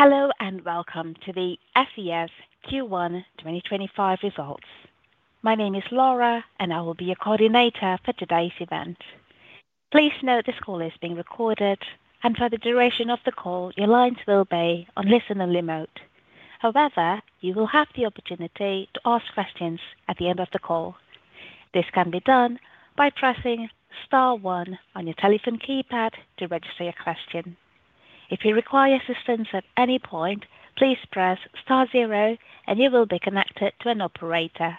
Hello and welcome to the SES Q1 2025 results. My name is Laura, and I will be your coordinator for today's event. Please note this call is being recorded, and for the duration of the call, your lines will be on listen-only mode. However, you will have the opportunity to ask questions at the end of the call. This can be done by pressing star one on your telephone keypad to register your question. If you require assistance at any point, please press star zero, and you will be connected to an operator.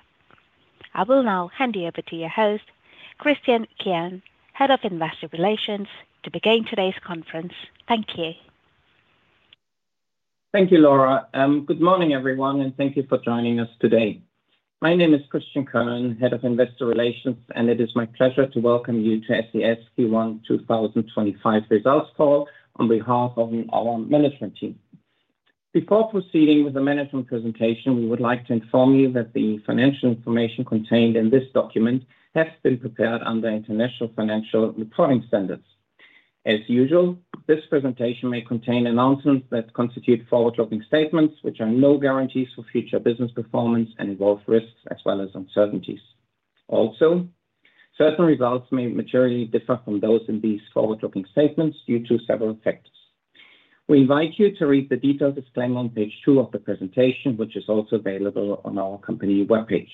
I will now hand you over to your host, Christian Kern, Head of Investor Relations, to begin today's conference. Thank you. Thank you, Laura. Good morning, everyone, and thank you for joining us today. My name is Christian Kern, Head of Investor Relations, and it is my pleasure to welcome you to SES Q1 2025 results call on behalf of our management team. Before proceeding with the management presentation, we would like to inform you that the financial information contained in this document has been prepared under International Financial Reporting Standards. As usual, this presentation may contain announcements that constitute forward-looking statements, which are no guarantees for future business performance and involve risks as well as uncertainties. Also, certain results may materially differ from those in these forward-looking statements due to several factors. We invite you to read the detailed disclaimer on page two of the presentation, which is also available on our company webpage.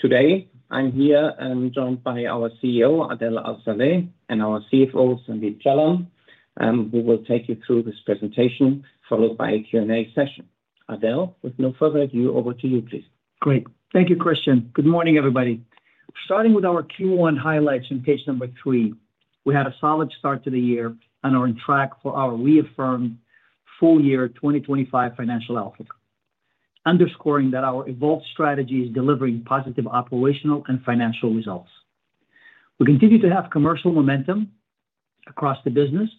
Today, I'm here and joined by our CEO, Adel Al-Saleh, and our CFO, Sandeep Jalan, who will take you through this presentation, followed by a Q&A session. Adel, with no further ado, over to you, please. Great. Thank you, Christian. Good morning, everybody. Starting with our Q1 highlights on page number three, we had a solid start to the year and are on track for our reaffirmed full-year 2025 financial outlook, underscoring that our evolved strategy is delivering positive operational and financial results. We continue to have commercial momentum across the business,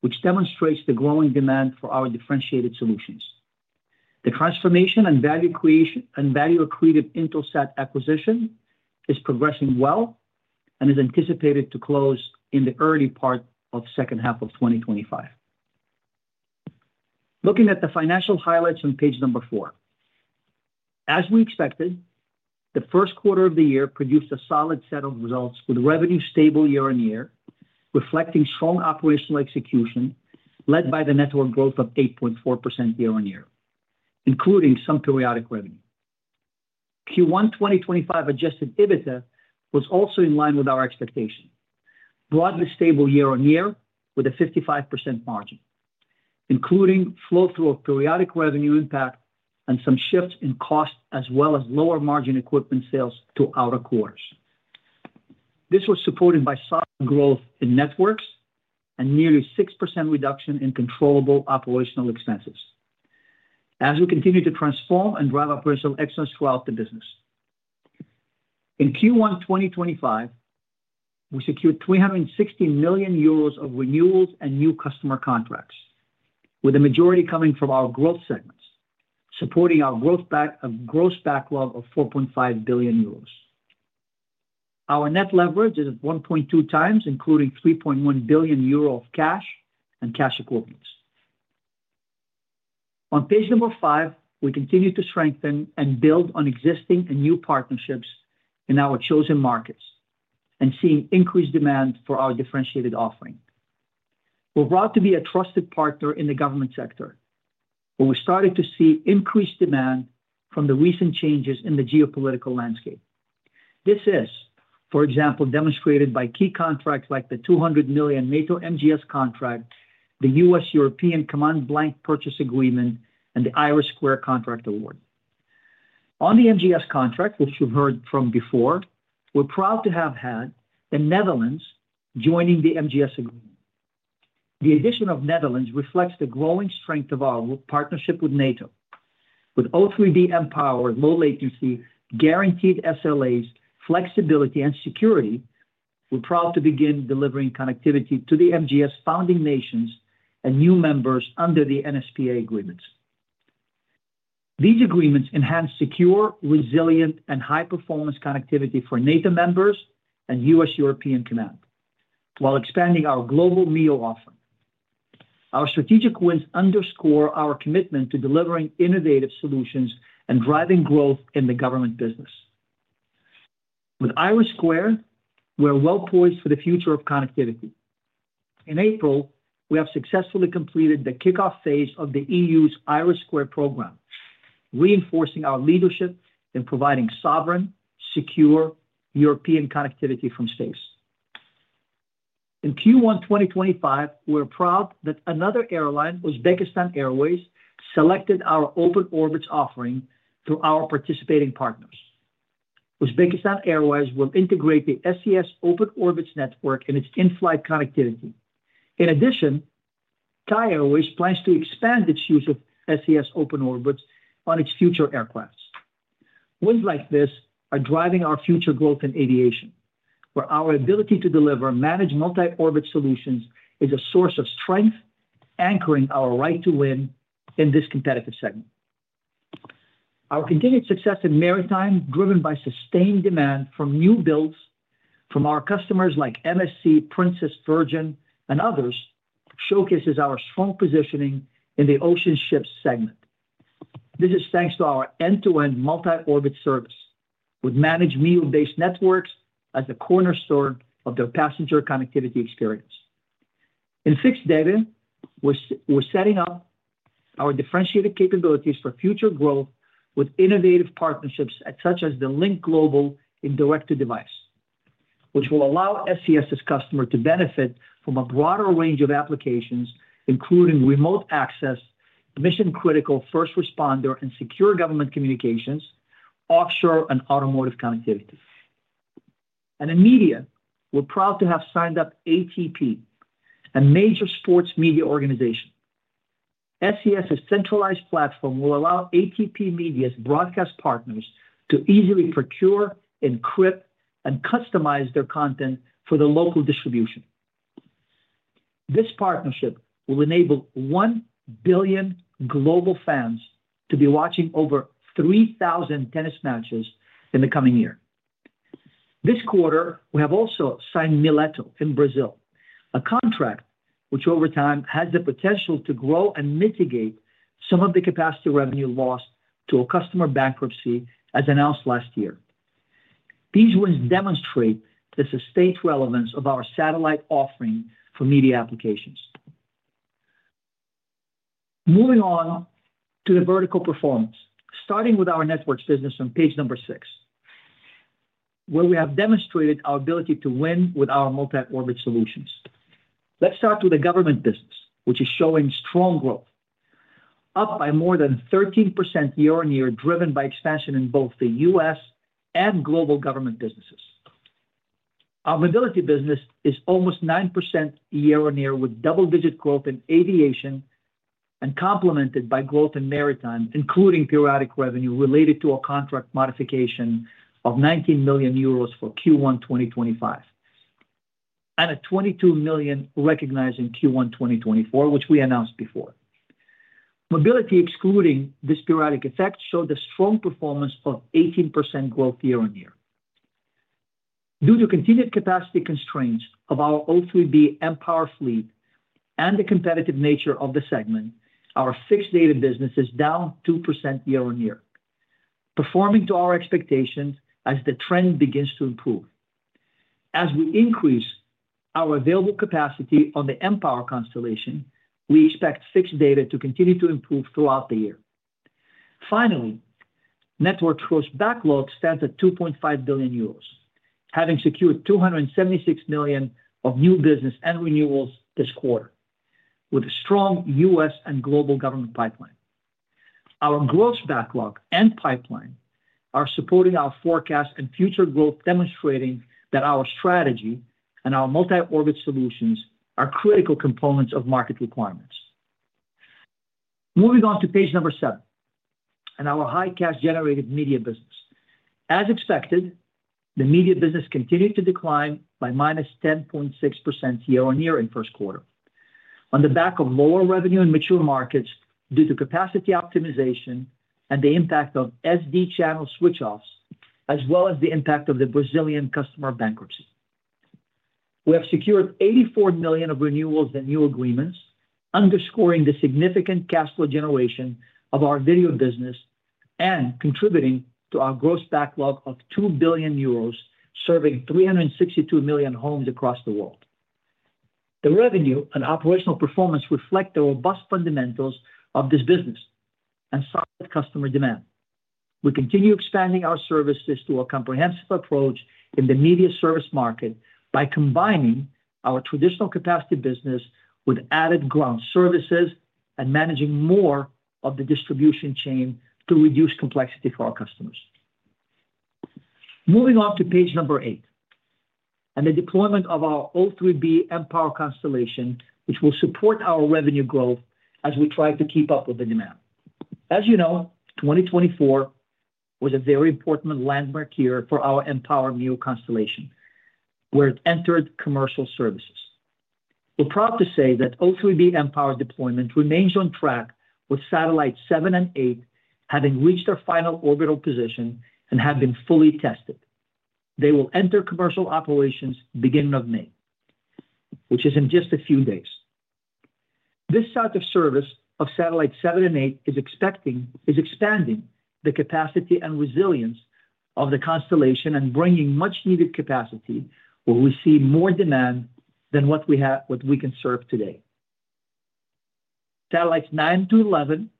which demonstrates the growing demand for our differentiated solutions. The transformation and value creation and value accretive intelsat acquisition is progressing well and is anticipated to close in the early part of the second half of 2025. Looking at the financial highlights on page number four, as we expected, the first quarter of the year produced a solid set of results with revenue stable year on year, reflecting strong operational execution led by the network growth of 8.4% year on year, including some periodic revenue. Q1 2025 adjusted EBITDA was also in line with our expectation, broadly stable year on year with a 55% margin, including flow-through of periodic revenue impact and some shifts in cost as well as lower margin equipment sales to outer quarters. This was supported by solid growth in networks and nearly 6% reduction in controllable operational expenses as we continue to transform and drive operational excellence throughout the business. In Q1 2025, we secured 360 million euros of renewals and new customer contracts, with the majority coming from our growth segments, supporting our growth backlog of 4.5 billion euros. Our net leverage is at 1.2x, including 3.1 billion euro of cash and cash equivalents. On page number five, we continue to strengthen and build on existing and new partnerships in our chosen markets and seeing increased demand for our differentiated offering. We're proud to be a trusted partner in the government sector, but we're starting to see increased demand from the recent changes in the geopolitical landscape. This is, for example, demonstrated by key contracts like the 200 million NATO MGS contract, the US-European Command blanket purchase agreement, and the IRIS² contract award. On the MGS contract, which you've heard from before, we're proud to have had the Netherlands joining the MGS agreement. The addition of Netherlands reflects the growing strength of our partnership with NATO, with O3b mPOWER, low latency, guaranteed SLAs, flexibility, and security. We're proud to begin delivering connectivity to the MGS founding nations and new members under the NSPA agreements. These agreements enhance secure, resilient, and high-performance connectivity for NATO members and US-European Command while expanding our global MEO offering. Our strategic wins underscore our commitment to delivering innovative solutions and driving growth in the government business. With IRIS², we're well poised for the future of connectivity. In April, we have successfully completed the kickoff phase of the EU's IRIS² program, reinforcing our leadership and providing sovereign, secure European connectivity from space. In Q1 2025, we're proud that another airline, Uzbekistan Airways, selected our Open Orbits offering through our participating partners. Uzbekistan Airways will integrate the SES Open Orbits network in its in-flight connectivity. In addition, Thai Airways plans to expand its use of SES Open Orbits on its future aircraft. Wins like this are driving our future growth in aviation, where our ability to deliver managed multi-orbit solutions is a source of strength, anchoring our right to win in this competitive segment. Our continued success in maritime, driven by sustained demand from new builds from our customers like MSC, Princess, Virgin, and others, showcases our strong positioning in the ocean ship segment. This is thanks to our end-to-end multi-orbit service with managed MEO-based networks as the cornerstone of their passenger connectivity experience. In fixed data, we're setting up our differentiated capabilities for future growth with innovative partnerships such as the Starlink Global indirect device, which will allow SES's customer to benefit from a broader range of applications, including remote access, mission-critical first responder, and secure government communications, offshore and automotive connectivity. In media, we're proud to have signed up ATP Media, a major sports media organization. SES's centralized platform will allow ATP Media's broadcast partners to easily procure, encrypt, and customize their content for the local distribution. This partnership will enable 1 billion global fans to be watching over 3,000 tennis matches in the coming year. This quarter, we have also signed Mileto in Brazil, a contract which over time has the potential to grow and mitigate some of the capacity revenue lost to a customer bankruptcy, as announced last year. These wins demonstrate the sustained relevance of our satellite offering for media applications. Moving on to the vertical performance, starting with our networks business on page number six, where we have demonstrated our ability to win with our multi-orbit solutions. Let's start with the government business, which is showing strong growth, up by more than 13% year on year, driven by expansion in both the U.S. and global government businesses. Our mobility business is almost 9% year on year, with double-digit growth in aviation and complemented by growth in maritime, including periodic revenue related to a contract modification of 19 million euros for Q1 2025 and a 22 million recognized in Q1 2024, which we announced before. Mobility excluding this periodic effect showed a strong performance of 18% growth year on year. Due to continued capacity constraints of our O3b mPOWER fleet and the competitive nature of the segment, our fixed data business is down 2% year on year, performing to our expectations as the trend begins to improve. As we increase our available capacity on the mPower constellation, we expect fixed data to continue to improve throughout the year. Finally, network growth backlog stands at 2.5 billion euros, having secured 276 million of new business and renewals this quarter with a strong US and global government pipeline. Our growth backlog and pipeline are supporting our forecast and future growth, demonstrating that our strategy and our multi-orbit solutions are critical components of market requirements. Moving on to page number seven and our high cash-generated media business. As expected, the media business continued to decline by -10.6% year on year in first quarter on the back of lower revenue in mature markets due to capacity optimization and the impact of SD channel switch-offs, as well as the impact of the Brazilian customer bankruptcy. We have secured 84 million of renewals and new agreements, underscoring the significant cash flow generation of our video business and contributing to our gross backlog of 2 billion euros, serving 362 million homes across the world. The revenue and operational performance reflect the robust fundamentals of this business and solid customer demand. We continue expanding our services to a comprehensive approach in the media service market by combining our traditional capacity business with added ground services and managing more of the distribution chain to reduce complexity for our customers. Moving on to page number eight and the deployment of our O3b mPOWER constellation, which will support our revenue growth as we try to keep up with the demand. As you know, 2024 was a very important landmark year for our M-Power MEO constellation, where it entered commercial services. We're proud to say that O3b mPOWER deployment remains on track with satellites seven and eight having reached their final orbital position and have been fully tested. They will enter commercial operations beginning of May, which is in just a few days. This start of service of satellites seven and eight is expanding the capacity and resilience of the constellation and bringing much-needed capacity where we see more demand than what we can serve today. Satellites nine to eleven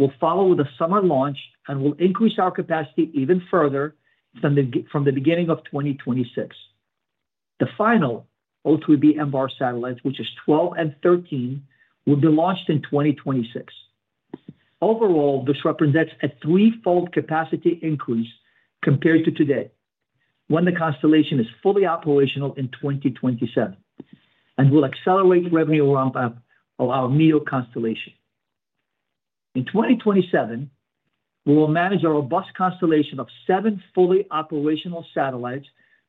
will follow with a summer launch and will increase our capacity even further from the beginning of 2026. The final O3b mPOWER satellites, which is 12 and 13, will be launched in 2026. Overall, this represents a threefold capacity increase compared to today when the constellation is fully operational in 2027 and will accelerate revenue ramp-up of our MEO constellation. In 2027, we will manage a robust constellation of seven fully operational satellites,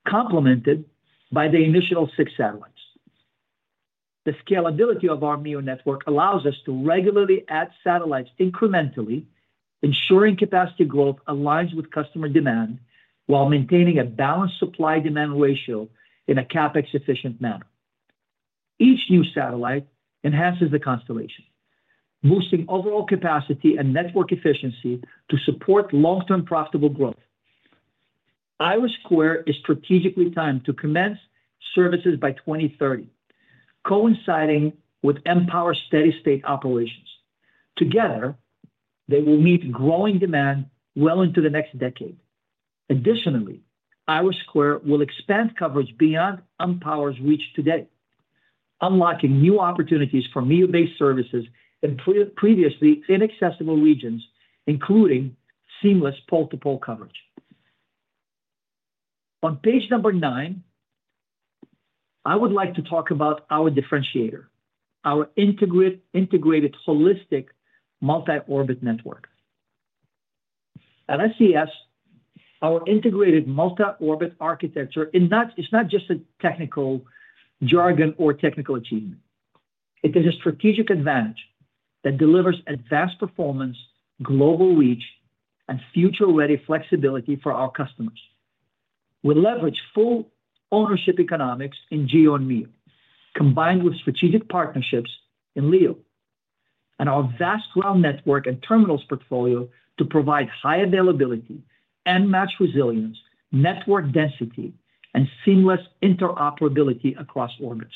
complemented by the initial six satellites. The scalability of our MEO network allows us to regularly add satellites incrementally, ensuring capacity growth aligns with customer demand while maintaining a balanced supply-demand ratio in a CapEx-efficient manner. Each new satellite enhances the constellation, boosting overall capacity and network efficiency to support long-term profitable growth. IRIS² is strategically timed to commence services by 2030, coinciding with M-Power's steady-state operations. Together, they will meet growing demand well into the next decade. Additionally, IRIS² will expand coverage beyond M-Power's reach today, unlocking new opportunities for MEO-based services in previously inaccessible regions, including seamless pole-to-pole coverage. On page number nine, I would like to talk about our differentiator, our integrated holistic multi-orbit network. At SES, our integrated multi-orbit architecture is not just a technical jargon or technical achievement. It is a strategic advantage that delivers advanced performance, global reach, and future-ready flexibility for our customers. We leverage full ownership economics in GEO and MEO, combined with strategic partnerships in LEO and our vast ground network and terminals portfolio to provide high availability, end-match resilience, network density, and seamless interoperability across orbits.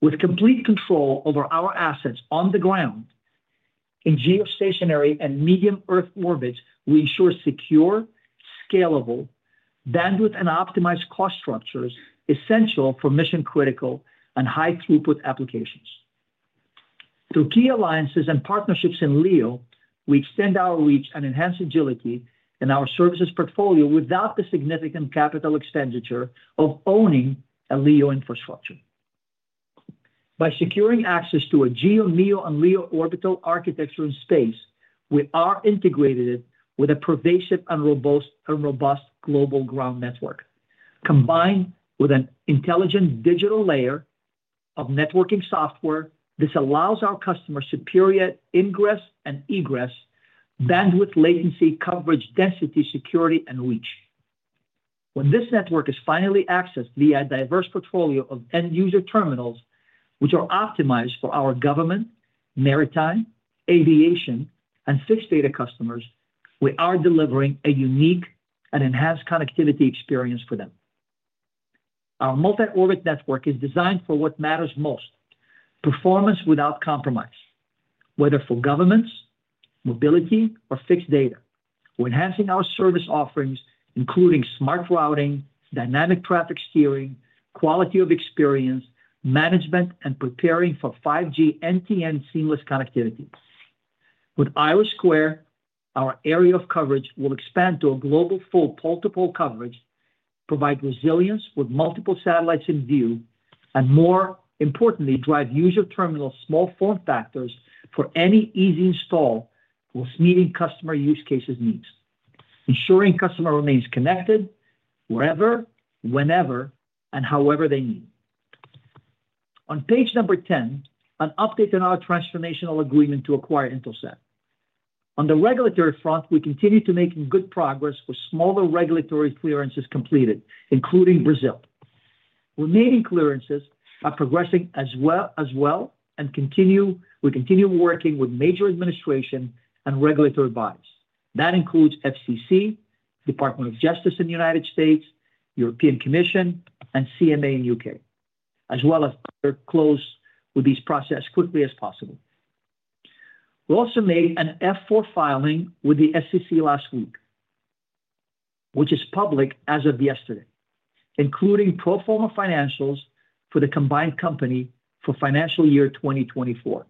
With complete control over our assets on the ground in geostationary and medium Earth orbits, we ensure secure, scalable bandwidth, and optimized cost structures essential for mission-critical and high-throughput applications. Through key alliances and partnerships in LEO, we extend our reach and enhance agility in our services portfolio without the significant capital expenditure of owning a LEO infrastructure. By securing access to a GEO, MEO, and LEO orbital architecture in space, we are integrated with a pervasive and robust global ground network, combined with an intelligent digital layer of networking software that allows our customers superior ingress and egress, bandwidth, latency, coverage, density, security, and reach. When this network is finally accessed via a diverse portfolio of end-user terminals, which are optimized for our government, maritime, aviation, and fixed data customers, we are delivering a unique and enhanced connectivity experience for them. Our multi-orbit network is designed for what matters most: performance without compromise, whether for governments, mobility, or fixed data. We're enhancing our service offerings, including smart routing, dynamic traffic steering, quality of experience management, and preparing for 5G NTN seamless connectivity. With IRIS², our area of coverage will expand to a global full pole-to-pole coverage, provide resilience with multiple satellites in view, and more importantly, drive user terminal small form factors for any easy install, meeting customer use cases' needs, ensuring customer remains connected wherever, whenever, and however they need. On page number ten, an update in our transformational agreement to acquire Intelsat. On the regulatory front, we continue to make good progress with smaller regulatory clearances completed, including Brazil. Remaining clearances are progressing as well, and we continue working with major administration and regulatory bodies. That includes FCC, Department of Justice in the United States, European Commission, and CMA in the U.K., as well. We are close with these processes as quickly as possible. We also made an F-4 filing with the SEC last week, which is public as of yesterday, including pro forma financials for the combined company for financial year 2024,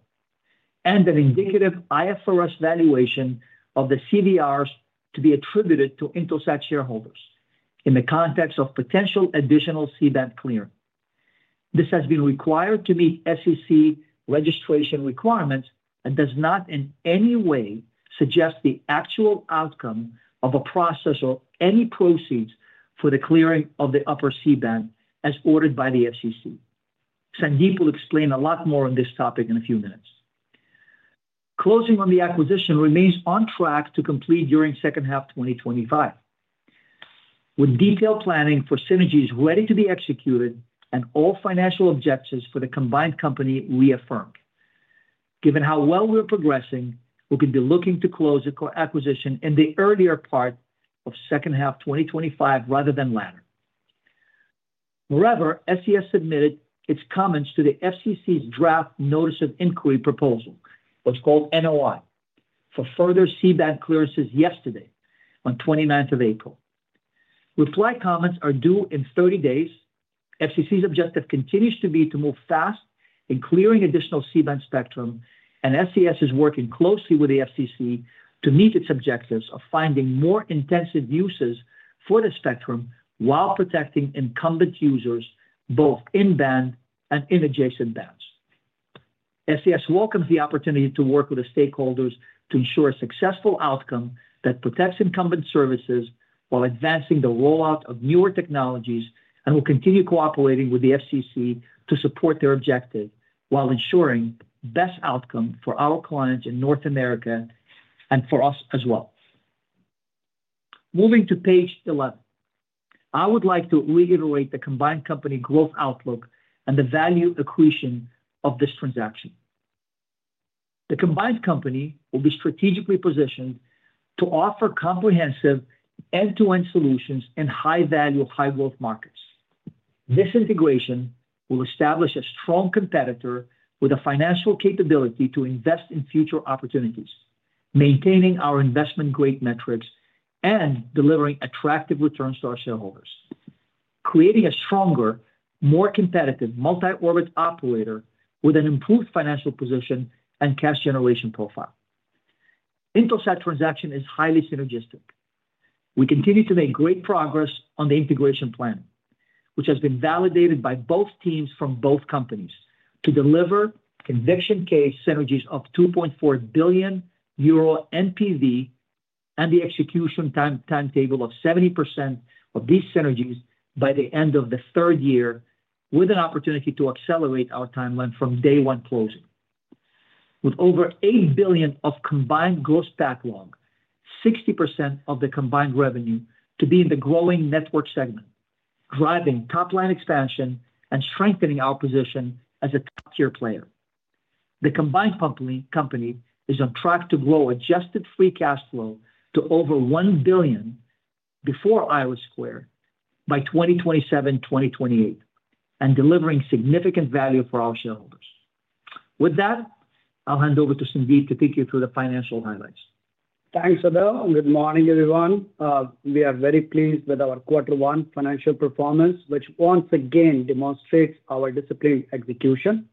and an indicative IFRS valuation of the CVRs to be attributed to Intelsat shareholders in the context of potential additional C-band clearing. This has been required to meet SEC registration requirements and does not in any way suggest the actual outcome of a process or any proceeds for the clearing of the upper C-band as ordered by the FCC. Sandeep will explain a lot more on this topic in a few minutes. Closing on the acquisition remains on track to complete during second half 2025, with detailed planning for synergies ready to be executed and all financial objectives for the combined company reaffirmed. Given how well we're progressing, we could be looking to close the acquisition in the earlier part of second half 2025 rather than latter. However, SES submitted its comments to the FCC's draft notice of inquiry proposal, what's called NOI, for further C-band clearances yesterday, on 29th of April. Reply comments are due in 30 days. FCC's objective continues to be to move fast in clearing additional C-band spectrum, and SES is working closely with the FCC to meet its objectives of finding more intensive uses for the spectrum while protecting incumbent users both in band and in adjacent bands. SES welcomes the opportunity to work with the stakeholders to ensure a successful outcome that protects incumbent services while advancing the rollout of newer technologies and will continue cooperating with the FCC to support their objective while ensuring best outcome for our clients in North America and for us as well. Moving to page 11, I would like to reiterate the combined company growth outlook and the value equation of this transaction. The combined company will be strategically positioned to offer comprehensive end-to-end solutions in high-value, high-growth markets. This integration will establish a strong competitor with a financial capability to invest in future opportunities, maintaining our investment-grade metrics and delivering attractive returns to our shareholders, creating a stronger, more competitive multi-orbit operator with an improved financial position and cash generation profile. Intelsat transaction is highly synergistic. We continue to make great progress on the integration plan, which has been validated by both teams from both companies to deliver conviction case synergies of 2.4 billion euro NPV and the execution timetable of 70% of these synergies by the end of the third year, with an opportunity to accelerate our timeline from day one closing. With over 8 billion of combined gross backlog, 60% of the combined revenue to be in the growing network segment, driving top-line expansion and strengthening our position as a top-tier player. The combined company is on track to grow adjusted free cash flow to over 1 billion before IRIS² by 2027-2028 and delivering significant value for our shareholders. With that, I'll hand over to Sandeep to take you through the financial highlights. Thanks, Adel. Good morning, everyone. We are very pleased with our quarter one financial performance, which once again demonstrates our disciplined execution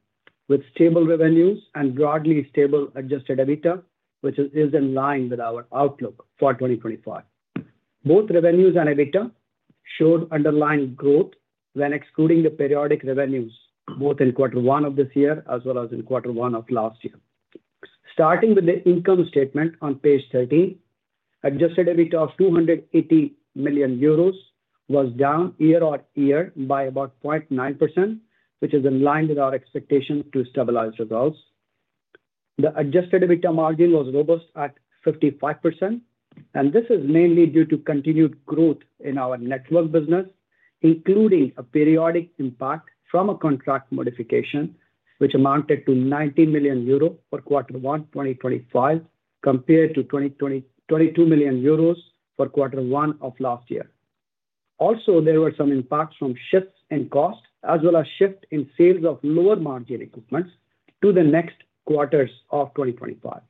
with stable revenues and broadly stable adjusted EBITDA, which is in line with our outlook for 2025. Both revenues and EBITDA showed underlying growth when excluding the periodic revenues, both in quarter one of this year as well as in quarter one of last year. Starting with the income statement on page 13, adjusted EBITDA of 280 million euros was down year-on-year by about 0.9%, which is in line with our expectation to stabilize results. The adjusted EBITDA margin was robust at 55%, and this is mainly due to continued growth in our network business, including a periodic impact from a contract modification, which amounted to 19 million euro for quarter one 2025, compared to 22 million euros for quarter one of last year. Also, there were some impacts from shifts in cost, as well as shift in sales of lower margin equipment to the next quarters of 2025.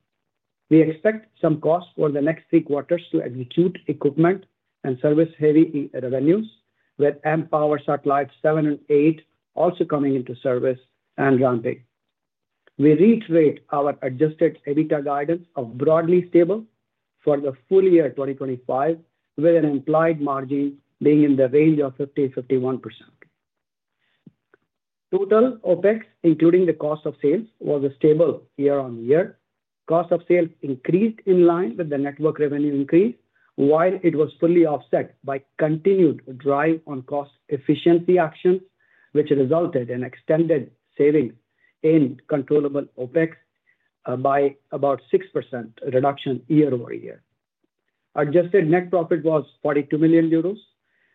We expect some costs for the next three quarters to execute equipment and service-heavy revenues, with M-Power satellites seven and eight also coming into service and ramping. We reiterate our adjusted EBITDA guidance of broadly stable for the full year 2025, with an implied margin being in the range of 50-51%. Total OPEX, including the cost of sales, was a stable year-on-year. Cost of sales increased in line with the network revenue increase, while it was fully offset by continued drive on cost-efficiency actions, which resulted in extended savings in controllable OpEx by about 6% reduction year-over-year. Adjusted net profit was 42 million euros.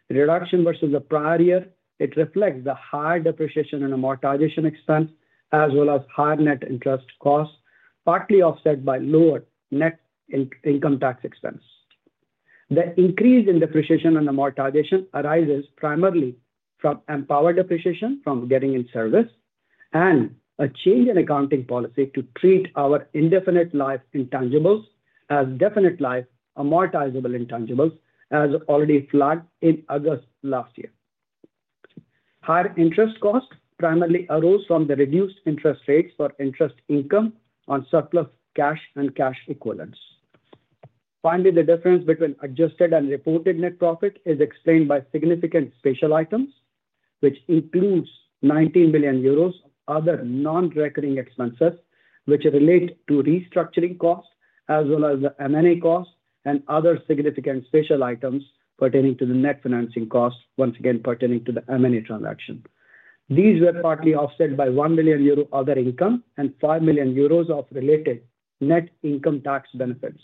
Reduction versus the prior year, it reflects the higher depreciation and amortization expense, as well as higher net interest costs, partly offset by lower net income tax expense. The increase in depreciation and amortization arises primarily from M-Power depreciation from getting in service and a change in accounting policy to treat our indefinite life intangibles as definite life amortizable intangibles, as already flagged in August last year. Higher interest costs primarily arose from the reduced interest rates for interest income on surplus cash and cash equivalents. Finally, the difference between adjusted and reported net profit is explained by significant special items, which includes 19 million euros of other non-recurring expenses, which relate to restructuring costs, as well as the M&A costs and other significant special items pertaining to the net financing costs, once again pertaining to the M&A transaction. These were partly offset by 1 million euro other income and 5 million euros of related net income tax benefits.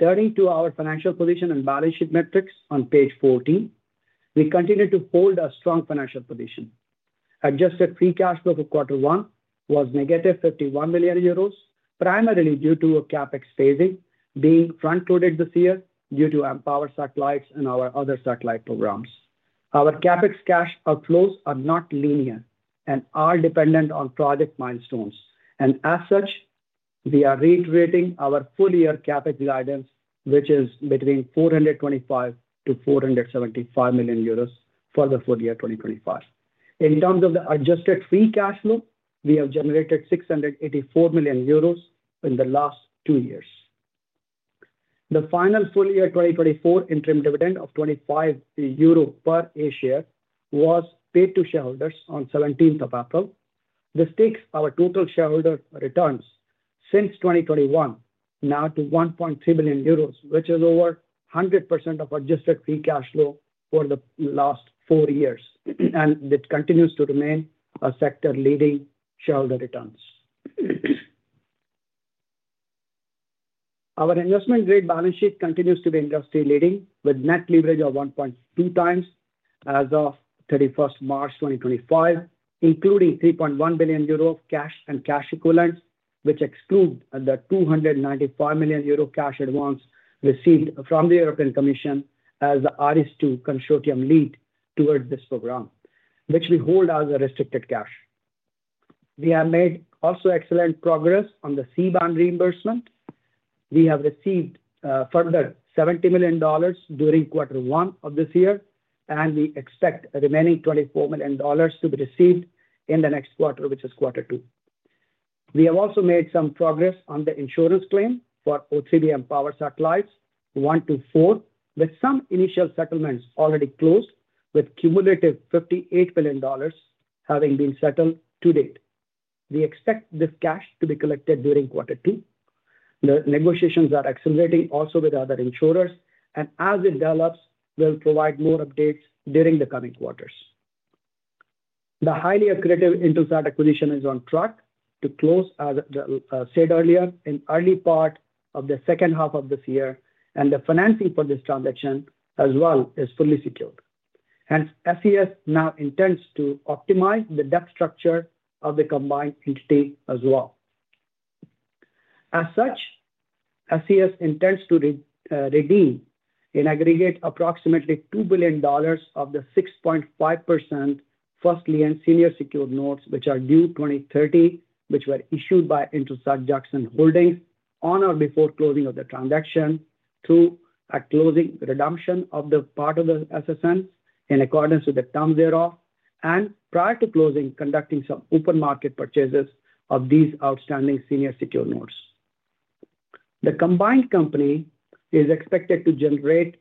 Turning to our financial position and balance sheet metrics on page 14, we continue to hold a strong financial position. Adjusted free cash flow for quarter one was negative 51 million euros, primarily due to a CapEx phasing being front-loaded this year due to M-Power satellites and our other satellite programs. Our CapEx cash outflows are not linear and are dependent on project milestones. We are reiterating our full-year CapEx guidance, which is between 425 million-475 million euros for the full year 2025. In terms of the adjusted free cash flow, we have generated 684 million euros in the last two years. The final full-year 2024 interim dividend of 0.25 euro per share was paid to shareholders on 17th of April. This takes our total shareholder returns since 2021 now to 1.3 billion euros, which is over 100% of adjusted free cash flow for the last four years, and it continues to remain a sector-leading shareholder returns. Our investment-grade balance sheet continues to be industry-leading, with net leverage of 1.2x as of 31st March 2025, including 3.1 billion euro of cash and cash equivalents, which exclude the 295 million euro cash advance received from the European Commission as the IRIS²consortium lead towards this program, which we hold as a restricted cash. We have made also excellent progress on the C-band reimbursement. We have received further $70 million during quarter one of this year, and we expect remaining $24 million to be received in the next quarter, which is quarter two. We have also made some progress on the insurance claim for O3b mPOWER satellites one to four, with some initial settlements already closed, with cumulative $58 million having been settled to date. We expect this cash to be collected during quarter two. The negotiations are accelerating also with other insurers, and as it develops, we'll provide more updates during the coming quarters. The highly accredited Intelsat acquisition is on track to close, as said earlier, in the early part of the second half of this year, and the financing for this transaction as well is fully secured. Hence, SES now intends to optimize the debt structure of the combined entity as well. As such, SES intends to redeem in aggregate approximately $2 billion of the 6.5% First Lien Senior Secured Notes, which are due 2030, which were issued by Intelsat Jackson Holdings on or before closing of the transaction through a closing redemption of the part of the SSNs in accordance with the terms thereof, and prior to closing, conducting some open market purchases of these outstanding senior secured notes. The combined company is expected to generate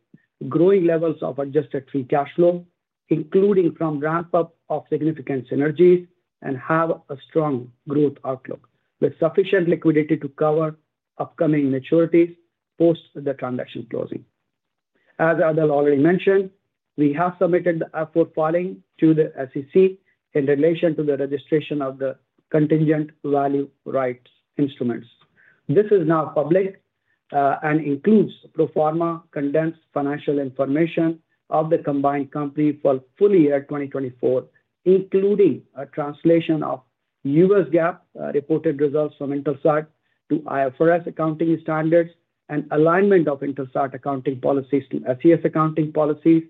growing levels of adjusted free cash flow, including from ramp-up of significant synergies, and have a strong growth outlook with sufficient liquidity to cover upcoming maturities post the transaction closing. As Adel already mentioned, we have submitted the F-4 filing to the SEC in relation to the registration of the contingent value rights instruments. This is now public and includes pro forma condensed financial information of the combined company for full year 2024, including a translation of US GAAP reported results from Intelsat to IFRS accounting standards, and alignment of Intelsat accounting policies to SES accounting policies,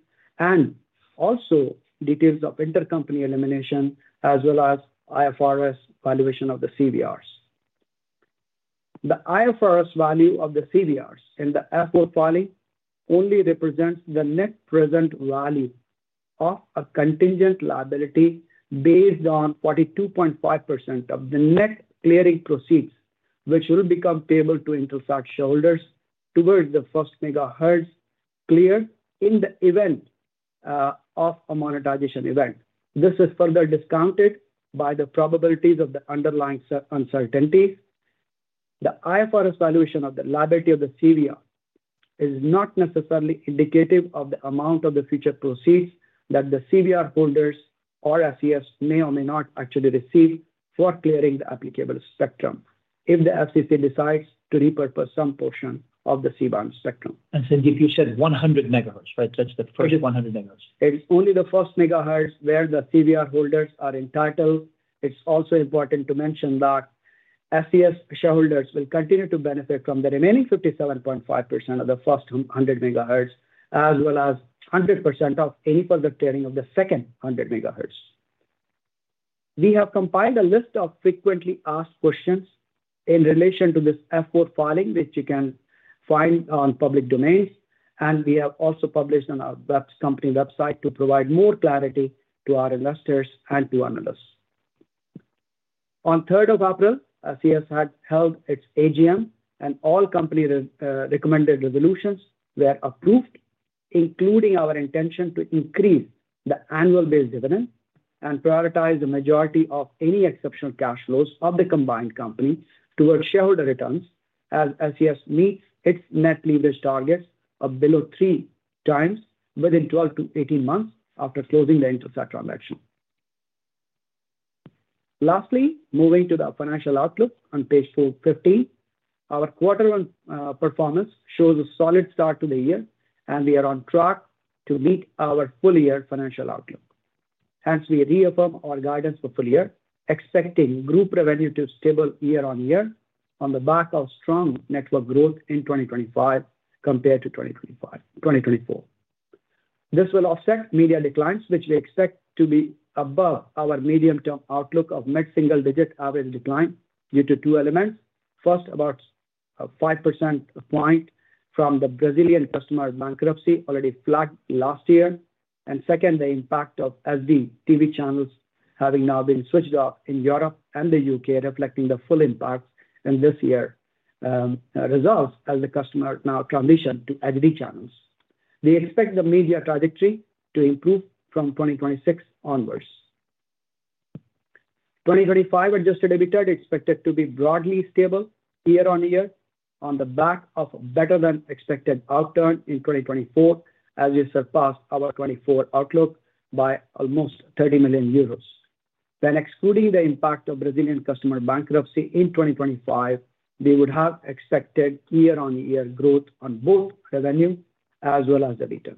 and also details of intercompany elimination, as well as IFRS valuation of the CVRs. The IFRS value of the CVRs in the F-4 filing only represents the net present value of a contingent liability based on 42.5% of the net clearing proceeds, which will become payable to Intelsat shareholders towards the first megahertz clear in the event of a monetization event. This is further discounted by the probabilities of the underlying uncertainties. The IFRS valuation of the liability of the CVR is not necessarily indicative of the amount of the future proceeds that the CVR holders or SES may or may not actually receive for clearing the applicable spectrum if the FCC decides to repurpose some portion of the C-band spectrum. Sandeep, you said 100 megahertz, right? That's the first 100 megahertz. It's only the first 100 megahertz where the CVR holders are entitled. It's also important to mention that SES shareholders will continue to benefit from the remaining 57.5% of the first 100 megahertz, as well as 100% of any further clearing of the second 100 megahertz. We have compiled a list of frequently asked questions in relation to this F-4 filing, which you can find on public domains, and we have also published on our company website to provide more clarity to our investors and to analysts. On 3rd of April, SES had held its AGM, and all company recommended resolutions were approved, including our intention to increase the annual base dividend and prioritize the majority of any exceptional cash flows of the combined company towards shareholder returns as SES meets its net leverage targets of below three times within 12 to 18 months after closing the Intelsat transaction. Lastly, moving to the financial outlook on page 15, our quarter one performance shows a solid start to the year, and we are on track to meet our full-year financial outlook. Hence, we reaffirm our guidance for full year, expecting group revenue to stable year-on-year on the back of strong network growth in 2025 compared to 2024. This will offset media declines, which we expect to be above our medium-term outlook of net single-digit average decline due to two elements. First, about a 5% point from the Brazilian customer bankruptcy already flagged last year. Second, the impact of SD TV channels having now been switched off in Europe and the U.K., reflecting the full impact in this year's results as the customer now transitioned to SD channels. We expect the media trajectory to improve from 2026 onwards. 2025 adjusted EBITDA is expected to be broadly stable year-on-year on the back of a better-than-expected outturn in 2024, as we surpassed our 2024 outlook by almost 30 million euros. When excluding the impact of Brazilian customer bankruptcy in 2025, we would have expected year-on-year growth on both revenue as well as EBITDA.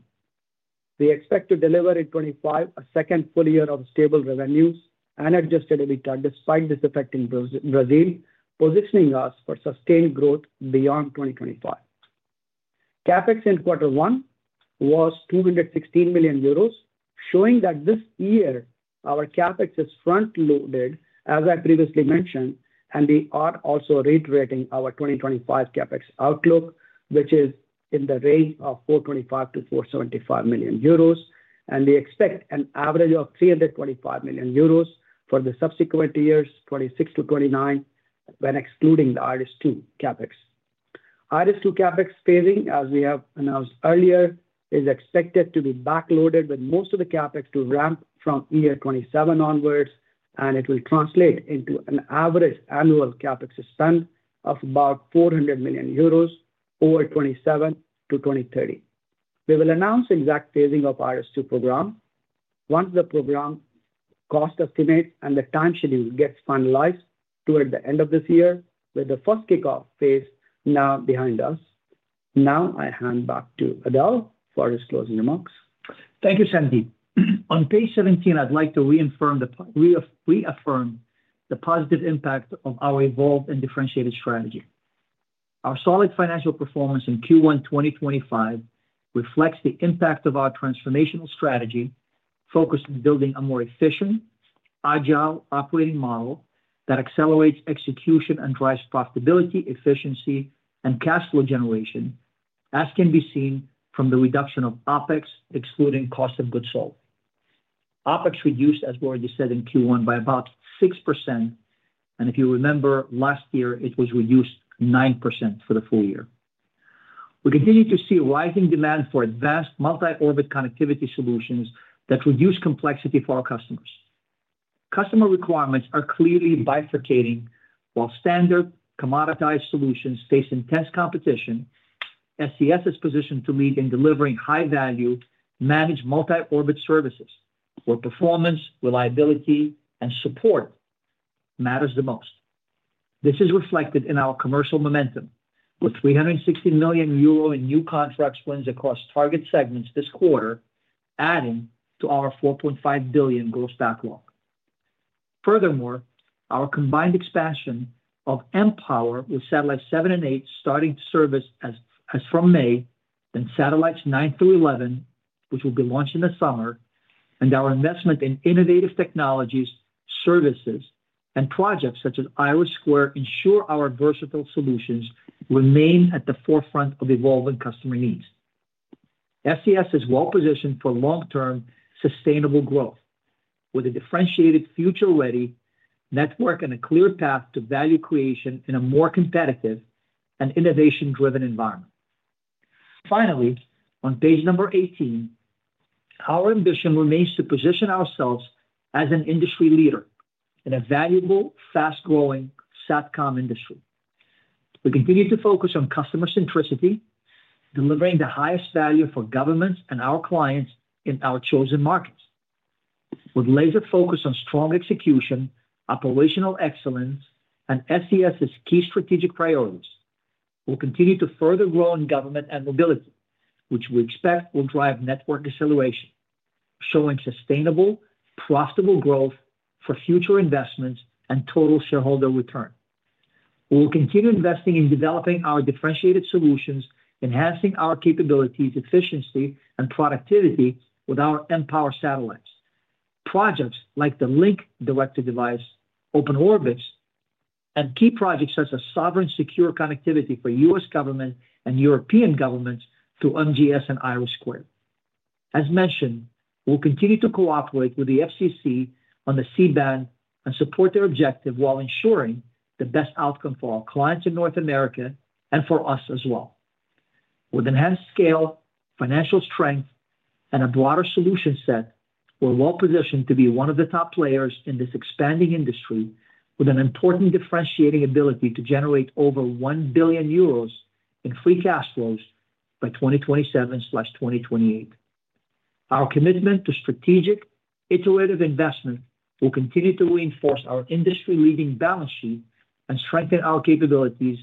We expect to deliver in 2025 a second full year of stable revenues and adjusted EBITDA, despite this affecting Brazil, positioning us for sustained growth beyond 2025. CAPEX in quarter one was 216 million euros, showing that this year our CAPEX is front-loaded, as I previously mentioned, and we are also reiterating our 2025 CAPEX outlook, which is in the range of 425-475 million euros. We expect an average of 325 million euros for the subsequent years, 2026 to 2029, when excluding the IRIS² CAPEX. IRIS² CAPEX phasing, as we have announced earlier, is expected to be back-loaded, with most of the CAPEX to ramp from year 2027 onwards, and it will translate into an average annual CAPEX spend of about 400 million euros over 2027 to 2030. We will announce exact phasing of the IRIS² program once the program cost estimates and the time schedule gets finalized toward the end of this year, with the first kickoff phase now behind us. Now I hand back to Adel for his closing remarks. Thank you, Sandeep. On page 17, I'd like to reaffirm the positive impact of our evolved and differentiated strategy. Our solid financial performance in Q1 2025 reflects the impact of our transformational strategy focused on building a more efficient, agile operating model that accelerates execution and drives profitability, efficiency, and cash flow generation, as can be seen from the reduction of OpEx, excluding cost of goods sold. OpEx reduced, as we already said in Q1, by about 6%. If you remember, last year, it was reduced 9% for the full year. We continue to see rising demand for advanced multi-orbit connectivity solutions that reduce complexity for our customers. Customer requirements are clearly bifurcating. While standard commoditized solutions face intense competition, SES is positioned to lead in delivering high-value, managed multi-orbit services where performance, reliability, and support matters the most. This is reflected in our commercial momentum with 360 million euro in new contract spends across target segments this quarter, adding to our 4.5 billion growth backlog. Furthermore, our combined expansion of M-Power with satellites 7 and 8 starting to service as from May, then satellites 9-11, which will be launched in the summer, and our investment in innovative technologies, services, and projects such as IRIS² ensure our versatile solutions remain at the forefront of evolving customer needs. SES is well-positioned for long-term sustainable growth with a differentiated, future-ready network and a clear path to value creation in a more competitive and innovation-driven environment. Finally, on page number 18, our ambition remains to position ourselves as an industry leader in a valuable, fast-growing satcom industry. We continue to focus on customer centricity, delivering the highest value for governments and our clients in our chosen markets. With laser focus on strong execution, operational excellence, and SES's key strategic priorities, we'll continue to further grow in government and mobility, which we expect will drive network acceleration, showing sustainable, profitable growth for future investments and total shareholder return. We'll continue investing in developing our differentiated solutions, enhancing our capabilities, efficiency, and productivity with our M-Power satellites, projects like the Link Global device, Open Orbits, and key projects such as sovereign secure connectivity for US government and European governments through NATO MGS and IRIS². As mentioned, we'll continue to cooperate with the FCC on the C-band and support their objective while ensuring the best outcome for our clients in North America and for us as well. With enhanced scale, financial strength, and a broader solution set, we're well-positioned to be one of the top players in this expanding industry with an important differentiating ability to generate over 1 billion euros in free cash flows by 2027/2028. Our commitment to strategic, iterative investment will continue to reinforce our industry-leading balance sheet and strengthen our capabilities,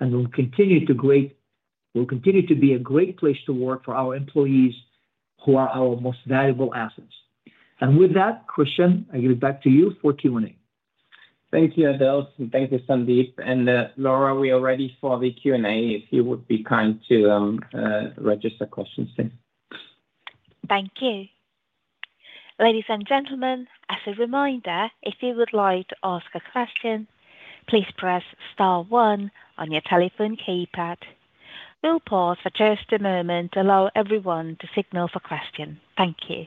and we will continue to be a great place to work for our employees who are our most valuable assets. With that, Christian, I give it back to you for Q&A. Thank you, Adel, and thank you, Sandeep. Laura, we are ready for the Q&A if you would be kind to register questions there. Thank you. Ladies and gentlemen, as a reminder, if you would like to ask a question, please press star one on your telephone keypad. We will pause for just a moment to allow everyone to signal for questions. Thank you.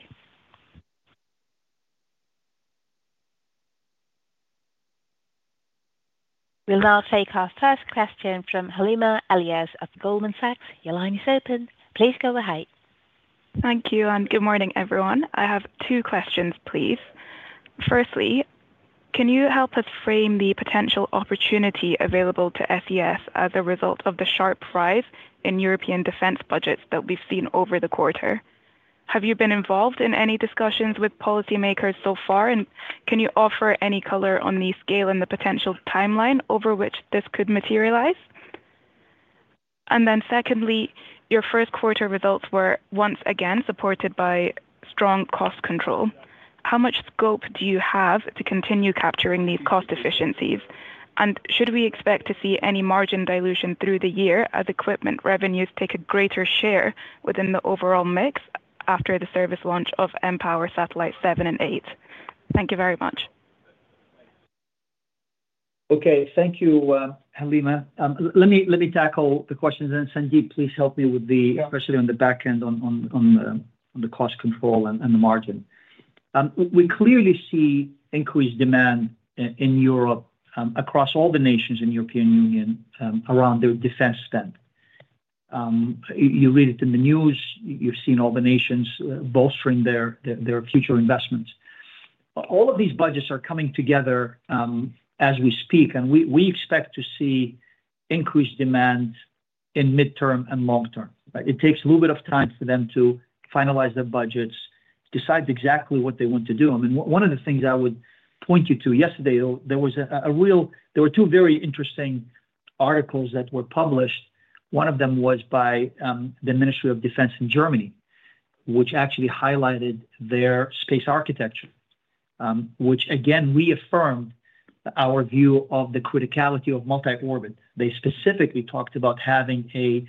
We'll now take our first question from Halima Elias of Goldman Sachs. Your line is open. Please go ahead. Thank you, and good morning, everyone. I have two questions, please. Firstly, can you help us frame the potential opportunity available to SES as a result of the sharp rise in European defense budgets that we've seen over the quarter? Have you been involved in any discussions with policymakers so far, and can you offer any color on the scale and the potential timeline over which this could materialize? Secondly, your first quarter results were once again supported by strong cost control. How much scope do you have to continue capturing these cost efficiencies? Should we expect to see any margin dilution through the year as equipment revenues take a greater share within the overall mix after the service launch of M-Power satellites 7 and 8? Thank you very much. Okay, thank you, Halima. Let me tackle the questions, and Sandeep, please help me with the question on the back end on the cost control and the margin. We clearly see increased demand in Europe across all the nations in the European Union around their defense spend. You read it in the news. You've seen all the nations bolstering their future investments. All of these budgets are coming together as we speak, and we expect to see increased demand in midterm and long term. It takes a little bit of time for them to finalize their budgets, decide exactly what they want to do. I mean, one of the things I would point you to yesterday, there were two very interesting articles that were published. One of them was by the Ministry of Defense in Germany, which actually highlighted their space architecture, which again reaffirmed our view of the criticality of multi-orbit. They specifically talked about having a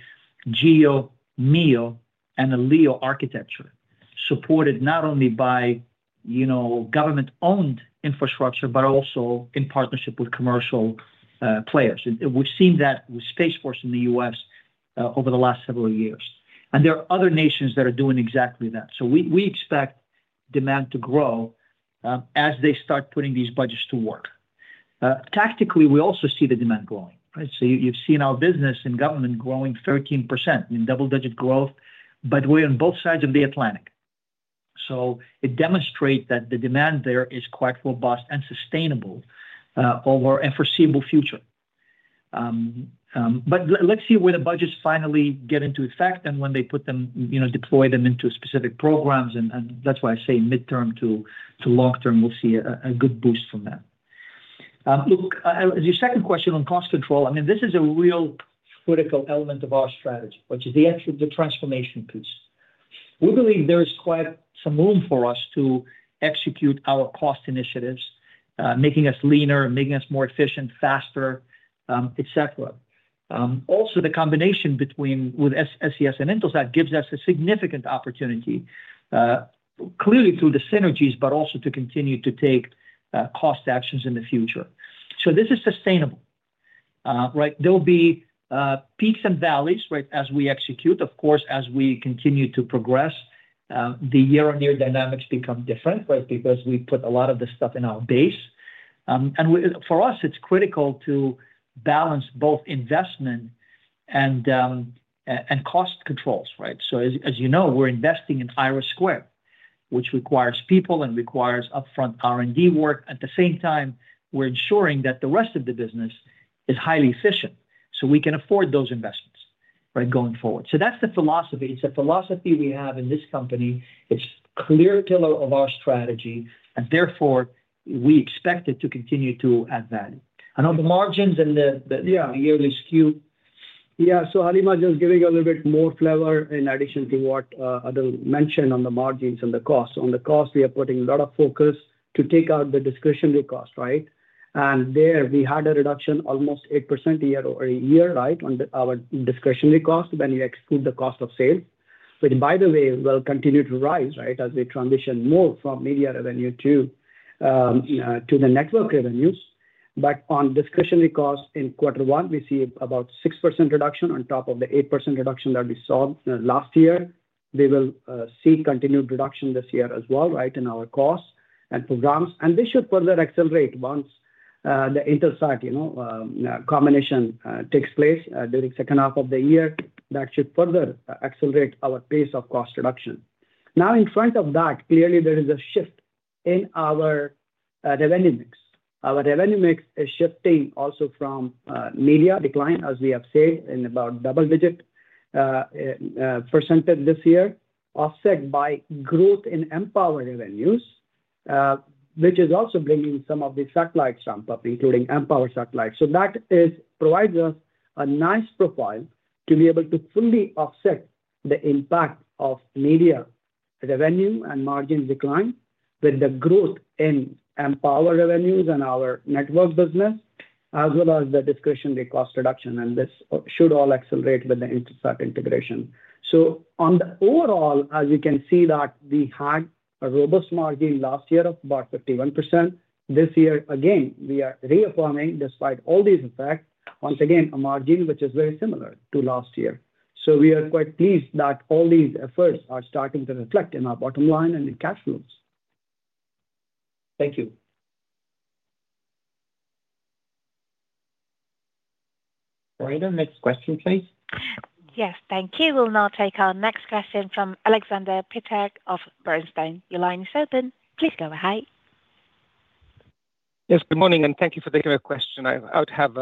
GEO, MEO, and a LEO architecture supported not only by government-owned infrastructure, but also in partnership with commercial players. We've seen that with Space Force in the U.S. over the last several years. There are other nations that are doing exactly that. We expect demand to grow as they start putting these budgets to work. Tactically, we also see the demand growing. You've seen our business in government growing 13% in double-digit growth, but we're on both sides of the Atlantic. It demonstrates that the demand there is quite robust and sustainable over a foreseeable future. Let's see when the budgets finally get into effect and when they deploy them into specific programs. That is why I say midterm to long term, we'll see a good boost from that. Look, as your second question on cost control, I mean, this is a real critical element of our strategy, which is the actual transformation piece. We believe there is quite some room for us to execute our cost initiatives, making us leaner, making us more efficient, faster, etc. Also, the combination with SES and Intelsat gives us a significant opportunity, clearly through the synergies, but also to continue to take cost actions in the future. This is sustainable, right? There will be peaks and valleys, right, as we execute. Of course, as we continue to progress, the year-on-year dynamics become different, right, because we put a lot of this stuff in our base. For us, it's critical to balance both investment and cost controls, right? As you know, we're investing in IRIS², which requires people and requires upfront R&D work. At the same time, we're ensuring that the rest of the business is highly efficient so we can afford those investments, right, going forward. That is the philosophy. It's a philosophy we have in this company. It's a clear pillar of our strategy, and therefore we expect it to continue to add value. On the margins and the yearly skew. Yeah. Halima is just giving a little bit more flavor in addition to what Adel mentioned on the margins and the cost. On the cost, we are putting a lot of focus to take out the discretionary cost, right? There we had a reduction of almost 8% a year, right, on our discretionary cost when we exclude the cost of sales, which, by the way, will continue to rise, right, as we transition more from media revenue to the network revenues. On discretionary costs in quarter one, we see about a 6% reduction on top of the 8% reduction that we saw last year. We will see continued reduction this year as well, right, in our costs and programs. This should further accelerate once the Intelsat combination takes place during the second half of the year. That should further accelerate our pace of cost reduction. Now, in front of that, clearly there is a shift in our revenue mix. Our revenue mix is shifting also from media decline, as we have said, in about double-digit % this year, offset by growth in M-Power revenues, which is also bringing some of the satellite ramp-up, including M-Power satellites. That provides us a nice profile to be able to fully offset the impact of media revenue and margin decline with the growth in M-Power revenues and our network business, as well as the discretionary cost reduction. This should all accelerate with the Intelsat integration. On the overall, as you can see, we had a robust margin last year of about 51%. This year, again, we are reaffirming, despite all these effects, once again, a margin which is very similar to last year. We are quite pleased that all these efforts are starting to reflect in our bottom line and in cash flows. Thank you. All right. Next question, please. Yes, thank you. We'll now take our next question from Alexander Pihl of Bernstein. Your line is open. Please go ahead. Yes, good morning, and thank you for taking my question. I'd have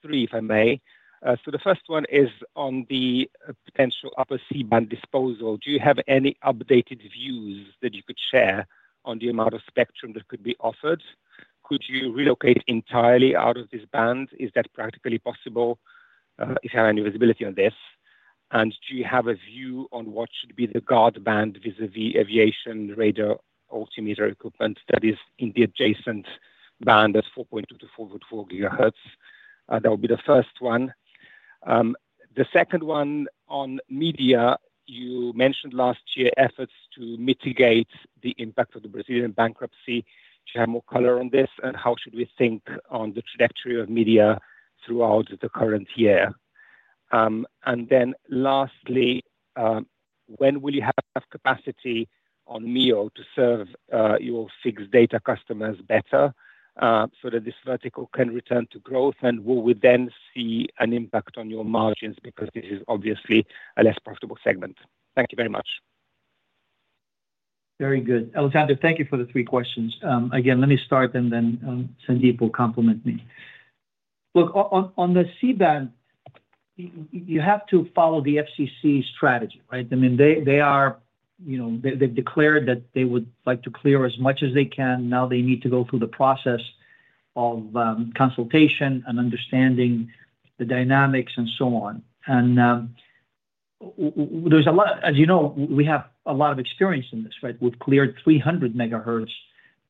three, if I may. The first one is on the potential upper C-band disposal. Do you have any updated views that you could share on the amount of spectrum that could be offered? Could you relocate entirely out of this band? Is that practically possible if you have any visibility on this? Do you have a view on what should be the guard band vis-à-vis aviation radar altimeter equipment that is in the adjacent band at 4.2 to 4.4 gigahertz? That would be the first one. The second one on media, you mentioned last year efforts to mitigate the impact of the Brazilian bankruptcy. Do you have more color on this? How should we think on the trajectory of media throughout the current year? Lastly, when will you have capacity on MEO to serve your fixed data customers better so that this vertical can return to growth? Will we then see an impact on your margins because this is obviously a less profitable segment? Thank you very much. Very good. Alexander, thank you for the three questions. Let me start, and then Sandeep will complement me. Look, on the C-band, you have to follow the FCC strategy, right? I mean, they have declared that they would like to clear as much as they can. Now they need to go through the process of consultation and understanding the dynamics and so on. There is a lot, as you know, we have a lot of experience in this, right? We've cleared 300 megahertz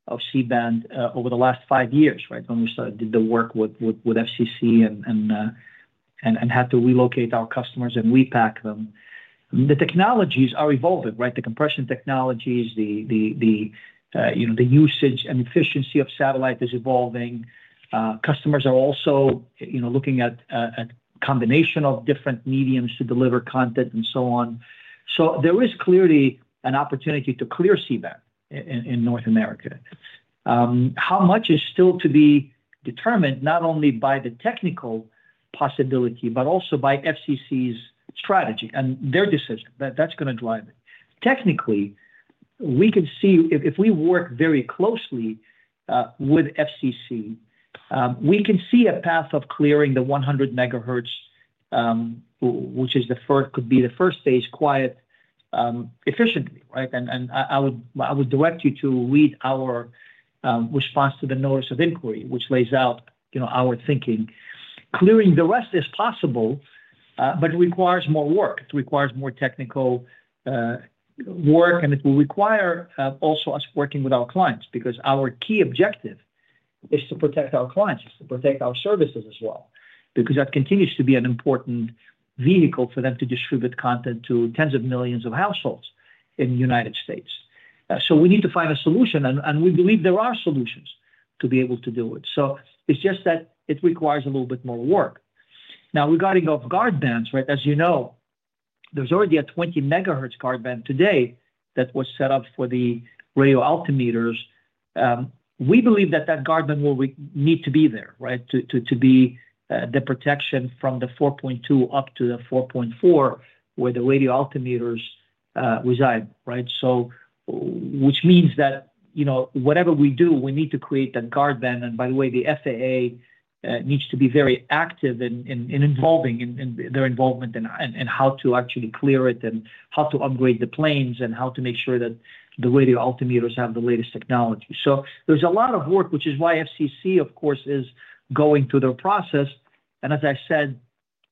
of C-band over the last five years, right, when we did the work with FCC and had to relocate our customers and repack them. The technologies are evolving, right? The compression technologies, the usage and efficiency of satellite is evolving. Customers are also looking at a combination of different mediums to deliver content and so on. There is clearly an opportunity to clear C-band in North America. How much is still to be determined not only by the technical possibility, but also by FCC's strategy and their decision. That's going to drive it. Technically, we can see if we work very closely with FCC, we can see a path of clearing the 100 megahertz, which could be the first phase quite efficiently, right? I would direct you to read our response to the notice of inquiry, which lays out our thinking. Clearing the rest is possible, but it requires more work. It requires more technical work, and it will require also us working with our clients because our key objective is to protect our clients, is to protect our services as well, because that continues to be an important vehicle for them to distribute content to tens of millions of households in the United States. We need to find a solution, and we believe there are solutions to be able to do it. It just requires a little bit more work. Now, regarding guard bands, as you know, there is already a 20 megahertz guard band today that was set up for the radio altimeters. We believe that that guard band will need to be there to be the protection from the 4.2 up to the 4.4 where the radio altimeters reside, right? Which means that whatever we do, we need to create that guard band. By the way, the FAA needs to be very active in involving their involvement in how to actually clear it and how to upgrade the planes and how to make sure that the radio altimeters have the latest technology. There is a lot of work, which is why the FCC, of course, is going through their process. As I said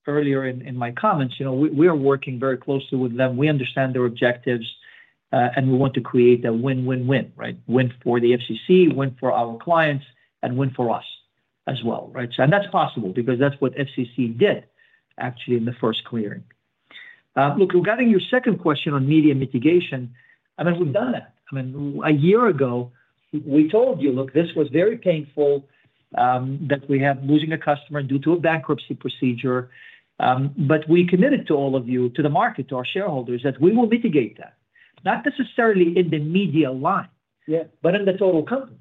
earlier in my comments, we are working very closely with them. We understand their objectives, and we want to create a win-win-win, right? Win for the FCC, win for our clients, and win for us as well, right? That is possible because that is what the FCC did actually in the first clearing. Look, regarding your second question on media mitigation, I mean, we've done that. I mean, a year ago, we told you, "Look, this was very painful that we have losing a customer due to a bankruptcy procedure." But we committed to all of you, to the market, to our shareholders, that we will mitigate that, not necessarily in the media line, but in the total company,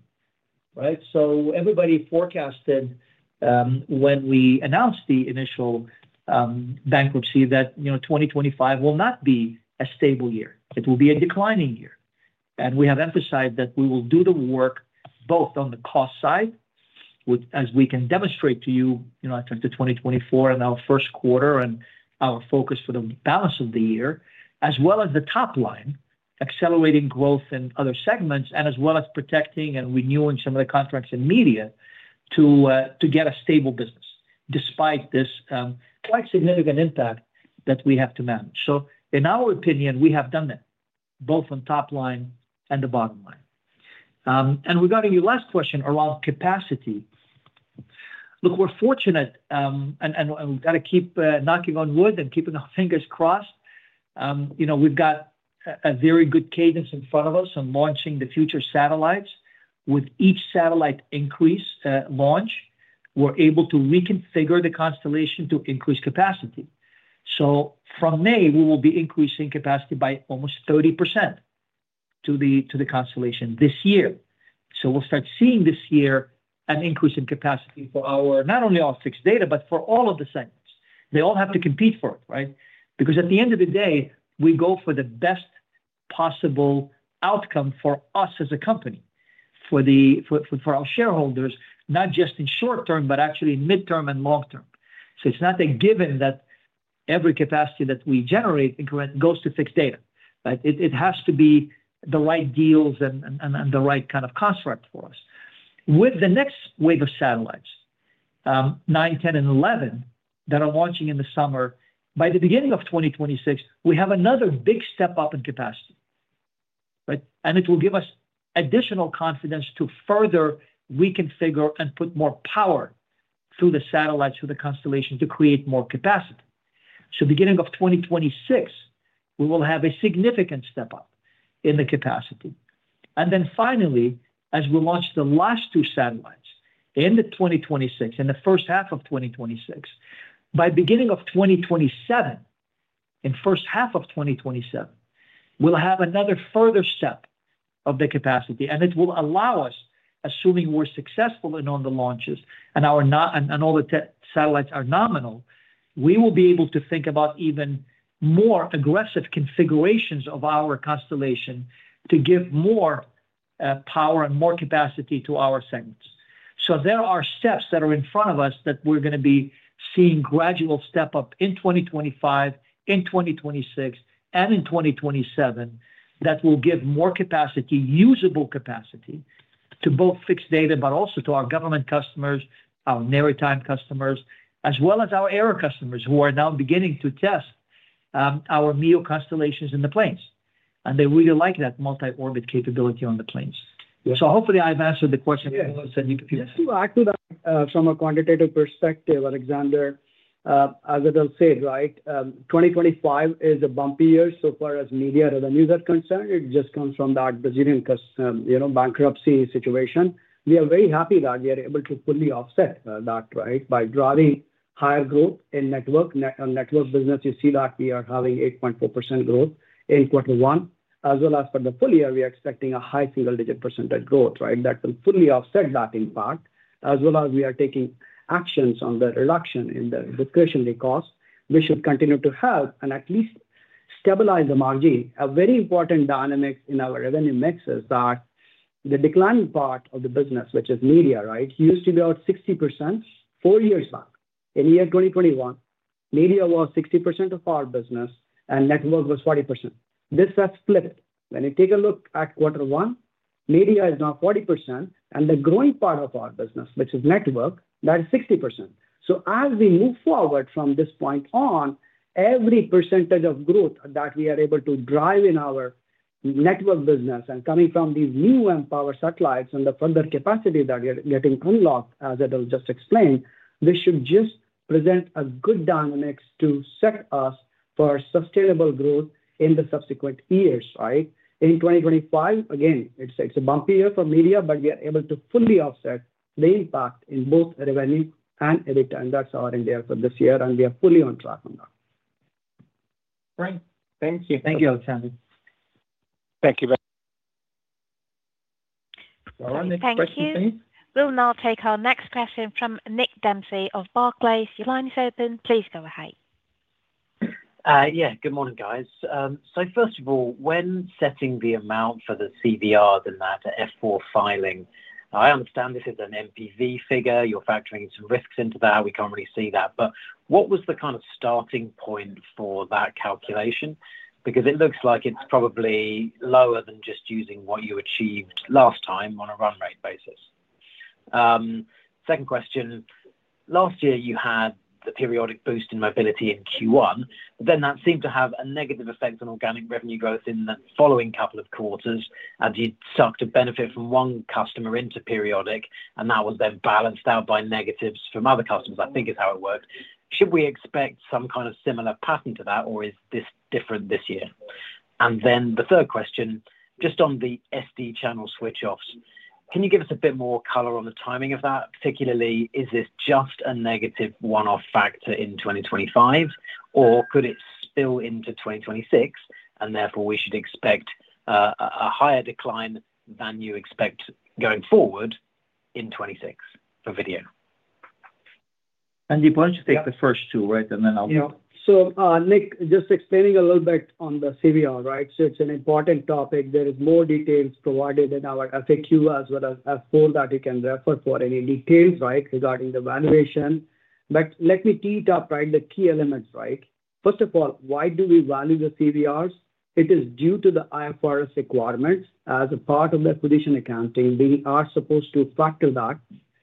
right? So everybody forecasted when we announced the initial bankruptcy that 2025 will not be a stable year. It will be a declining year. We have emphasized that we will do the work both on the cost side, as we can demonstrate to you in 2024 and our first quarter and our focus for the balance of the year, as well as the top line, accelerating growth in other segments, and as well as protecting and renewing some of the contracts in media to get a stable business despite this quite significant impact that we have to manage. In our opinion, we have done that both on top line and the bottom line. Regarding your last question around capacity, look, we're fortunate, and we've got to keep knocking on wood and keeping our fingers crossed. We've got a very good cadence in front of us on launching the future satellites. With each satellite increase launch, we're able to reconfigure the constellation to increase capacity. From May, we will be increasing capacity by almost 30% to the constellation this year. We will start seeing this year an increase in capacity for not only our fixed data, but for all of the segments. They all have to compete for it, right? Because at the end of the day, we go for the best possible outcome for us as a company, for our shareholders, not just in the short term, but actually in the midterm and long term. It is not a given that every capacity that we generate goes to fixed data, right? It has to be the right deals and the right kind of construct for us. With the next wave of satellites, 9, 10, and 11 that are launching in the summer, by the beginning of 2026, we have another big step up in capacity, right? It will give us additional confidence to further reconfigure and put more power through the satellites, through the constellation, to create more capacity. Beginning of 2026, we will have a significant step up in the capacity. Finally, as we launch the last two satellites in 2026, in the first half of 2026, by beginning of 2027, in the first half of 2027, we'll have another further step of the capacity. It will allow us, assuming we're successful in all the launches and all the satellites are nominal, we will be able to think about even more aggressive configurations of our constellation to give more power and more capacity to our segments. There are steps that are in front of us that we're going to be seeing gradual step up in 2025, in 2026, and in 2027 that will give more capacity, usable capacity to both fixed data, but also to our government customers, our maritime customers, as well as our air customers who are now beginning to test our MEO constellations in the planes. They really like that multi-orbit capability on the planes. Hopefully, I've answered the question. Yes, I could add from a quantitative perspective, Alexander, as Adel said, right? 2025 is a bumpy year so far as media revenues are concerned. It just comes from that Brazilian bankruptcy situation. We are very happy that we are able to fully offset that, right, by driving higher growth in network business. You see that we are having 8.4% growth in quarter one. As well as for the full year, we are expecting a high single-digit % growth, right, that will fully offset that in part. As well as we are taking actions on the reduction in the discretionary cost, which should continue to help and at least stabilize the margin. A very important dynamic in our revenue mix is that the declining part of the business, which is media, right, used to be about 60% four years back. In the year 2021, media was 60% of our business, and network was 40%. This has flipped. When you take a look at quarter one, media is now 40%, and the growing part of our business, which is network, that is 60%. As we move forward from this point on, every % of growth that we are able to drive in our network business and coming from these new M-Power satellites and the further capacity that we are getting unlocked, as Adel just explained, this should just present a good dynamic to set us for sustainable growth in the subsequent years, right? In 2025, again, it is a bumpy year for media, but we are able to fully offset the impact in both revenue and return. That is our end there for this year, and we are fully on track on that. Great. Thank you. Thank you, Alexander. Thank you very much. Thank you. We will now take our next question from Nick Dempsey of Barclays. Your line is open. Please go ahead. Yeah, good morning, guys. First of all, when setting the amount for the CVR, the NATA F4 filing, I understand this is an NPV figure. You're factoring some risks into that. We can't really see that. What was the kind of starting point for that calculation? Because it looks like it's probably lower than just using what you achieved last time on a run rate basis. Second question. Last year, you had the periodic boost in mobility in Q1. That seemed to have a negative effect on organic revenue growth in the following couple of quarters, and you'd sucked a benefit from one customer into periodic, and that was then balanced out by negatives from other customers, I think is how it worked. Should we expect some kind of similar pattern to that, or is this different this year? Then the third question, just on the SD channel switch-offs, can you give us a bit more color on the timing of that? Particularly, is this just a negative one-off factor in 2025, or could it spill into 2026, and therefore we should expect a higher decline than you expect going forward in 2026 for video? You want to take the first two, right? Then I'll go. Nick, just explaining a little bit on the CVR, right? It is an important topic. There are more details provided in our FAQ as well as for that you can refer for any details regarding the valuation. Let me tee it up, the key elements. First of all, why do we value the CVRs? It is due to the IFRS requirements as a part of the acquisition accounting. We are supposed to factor that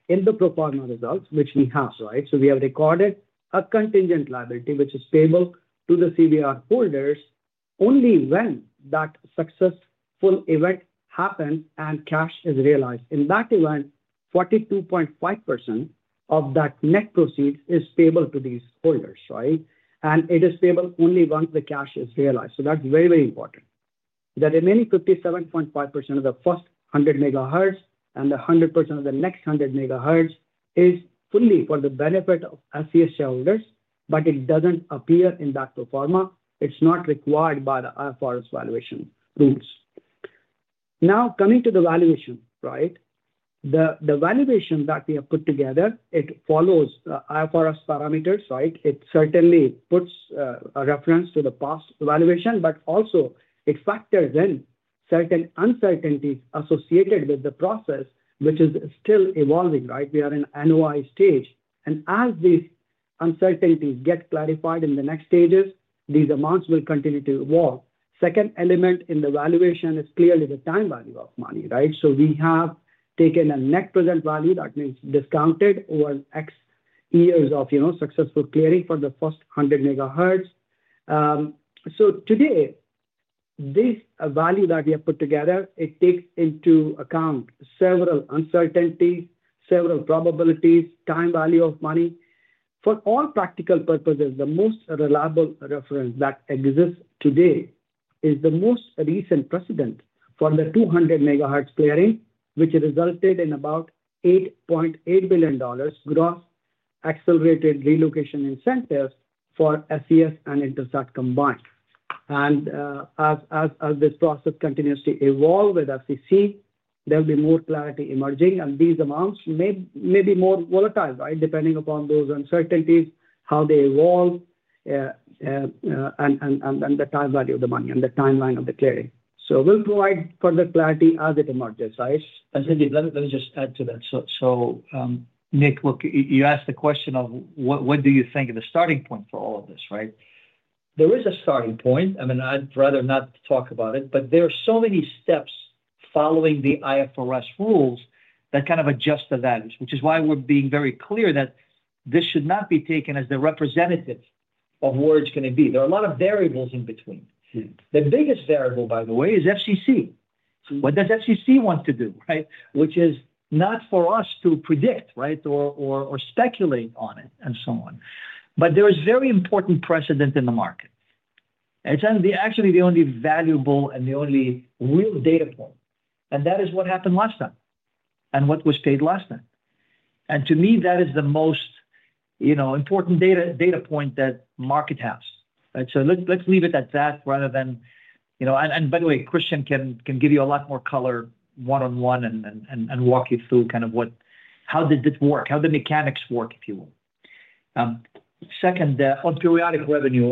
in the pro forma results, which we have, right? We have recorded a contingent liability, which is payable to the CVR holders only when that successful event happens and cash is realized. In that event, 42.5% of that net proceeds is payable to these holders, right? It is payable only once the cash is realized. That is very, very important. The remaining 57.5% of the first 100 megahertz and the 100% of the next 100 megahertz is fully for the benefit of SES shareholders, but it does not appear in that pro forma. It is not required by the IFRS valuation rules. Now, coming to the valuation, right? The valuation that we have put together, it follows IFRS parameters, right? It certainly puts a reference to the past valuation, but also it factors in certain uncertainties associated with the process, which is still evolving, right? We are in an annualized stage. As these uncertainties get clarified in the next stages, these amounts will continue to evolve. The second element in the valuation is clearly the time value of money, right? We have taken a net present value that means discounted over X years of successful clearing for the first 100 megahertz. Today, this value that we have put together, it takes into account several uncertainties, several probabilities, time value of money. For all practical purposes, the most reliable reference that exists today is the most recent precedent for the 200 megahertz clearing, which resulted in about $8.8 billion gross accelerated relocation incentives for SES and Intelsat combined. As this process continues to evolve with FCC, there will be more clarity emerging, and these amounts may be more volatile, right? Depending upon those uncertainties, how they evolve, and the time value of the money and the timeline of the clearing. We will provide further clarity as it emerges, right? Let me just add to that. Nick, look, you asked the question of what do you think of the starting point for all of this, right? There is a starting point. I mean, I'd rather not talk about it, but there are so many steps following the IFRS rules that kind of adjust the values, which is why we're being very clear that this should not be taken as the representative of where it's going to be. There are a lot of variables in between. The biggest variable, by the way, is FCC. What does FCC want to do, right? Which is not for us to predict, right, or speculate on it and so on. There is very important precedent in the market. It's actually the only valuable and the only real data point. That is what happened last time and what was paid last time. To me, that is the most important data point that the market has. Let's leave it at that rather than—and by the way, Christian can give you a lot more color one-on-one and walk you through kind of how did this work, how the mechanics work, if you will. Second, on periodic revenue,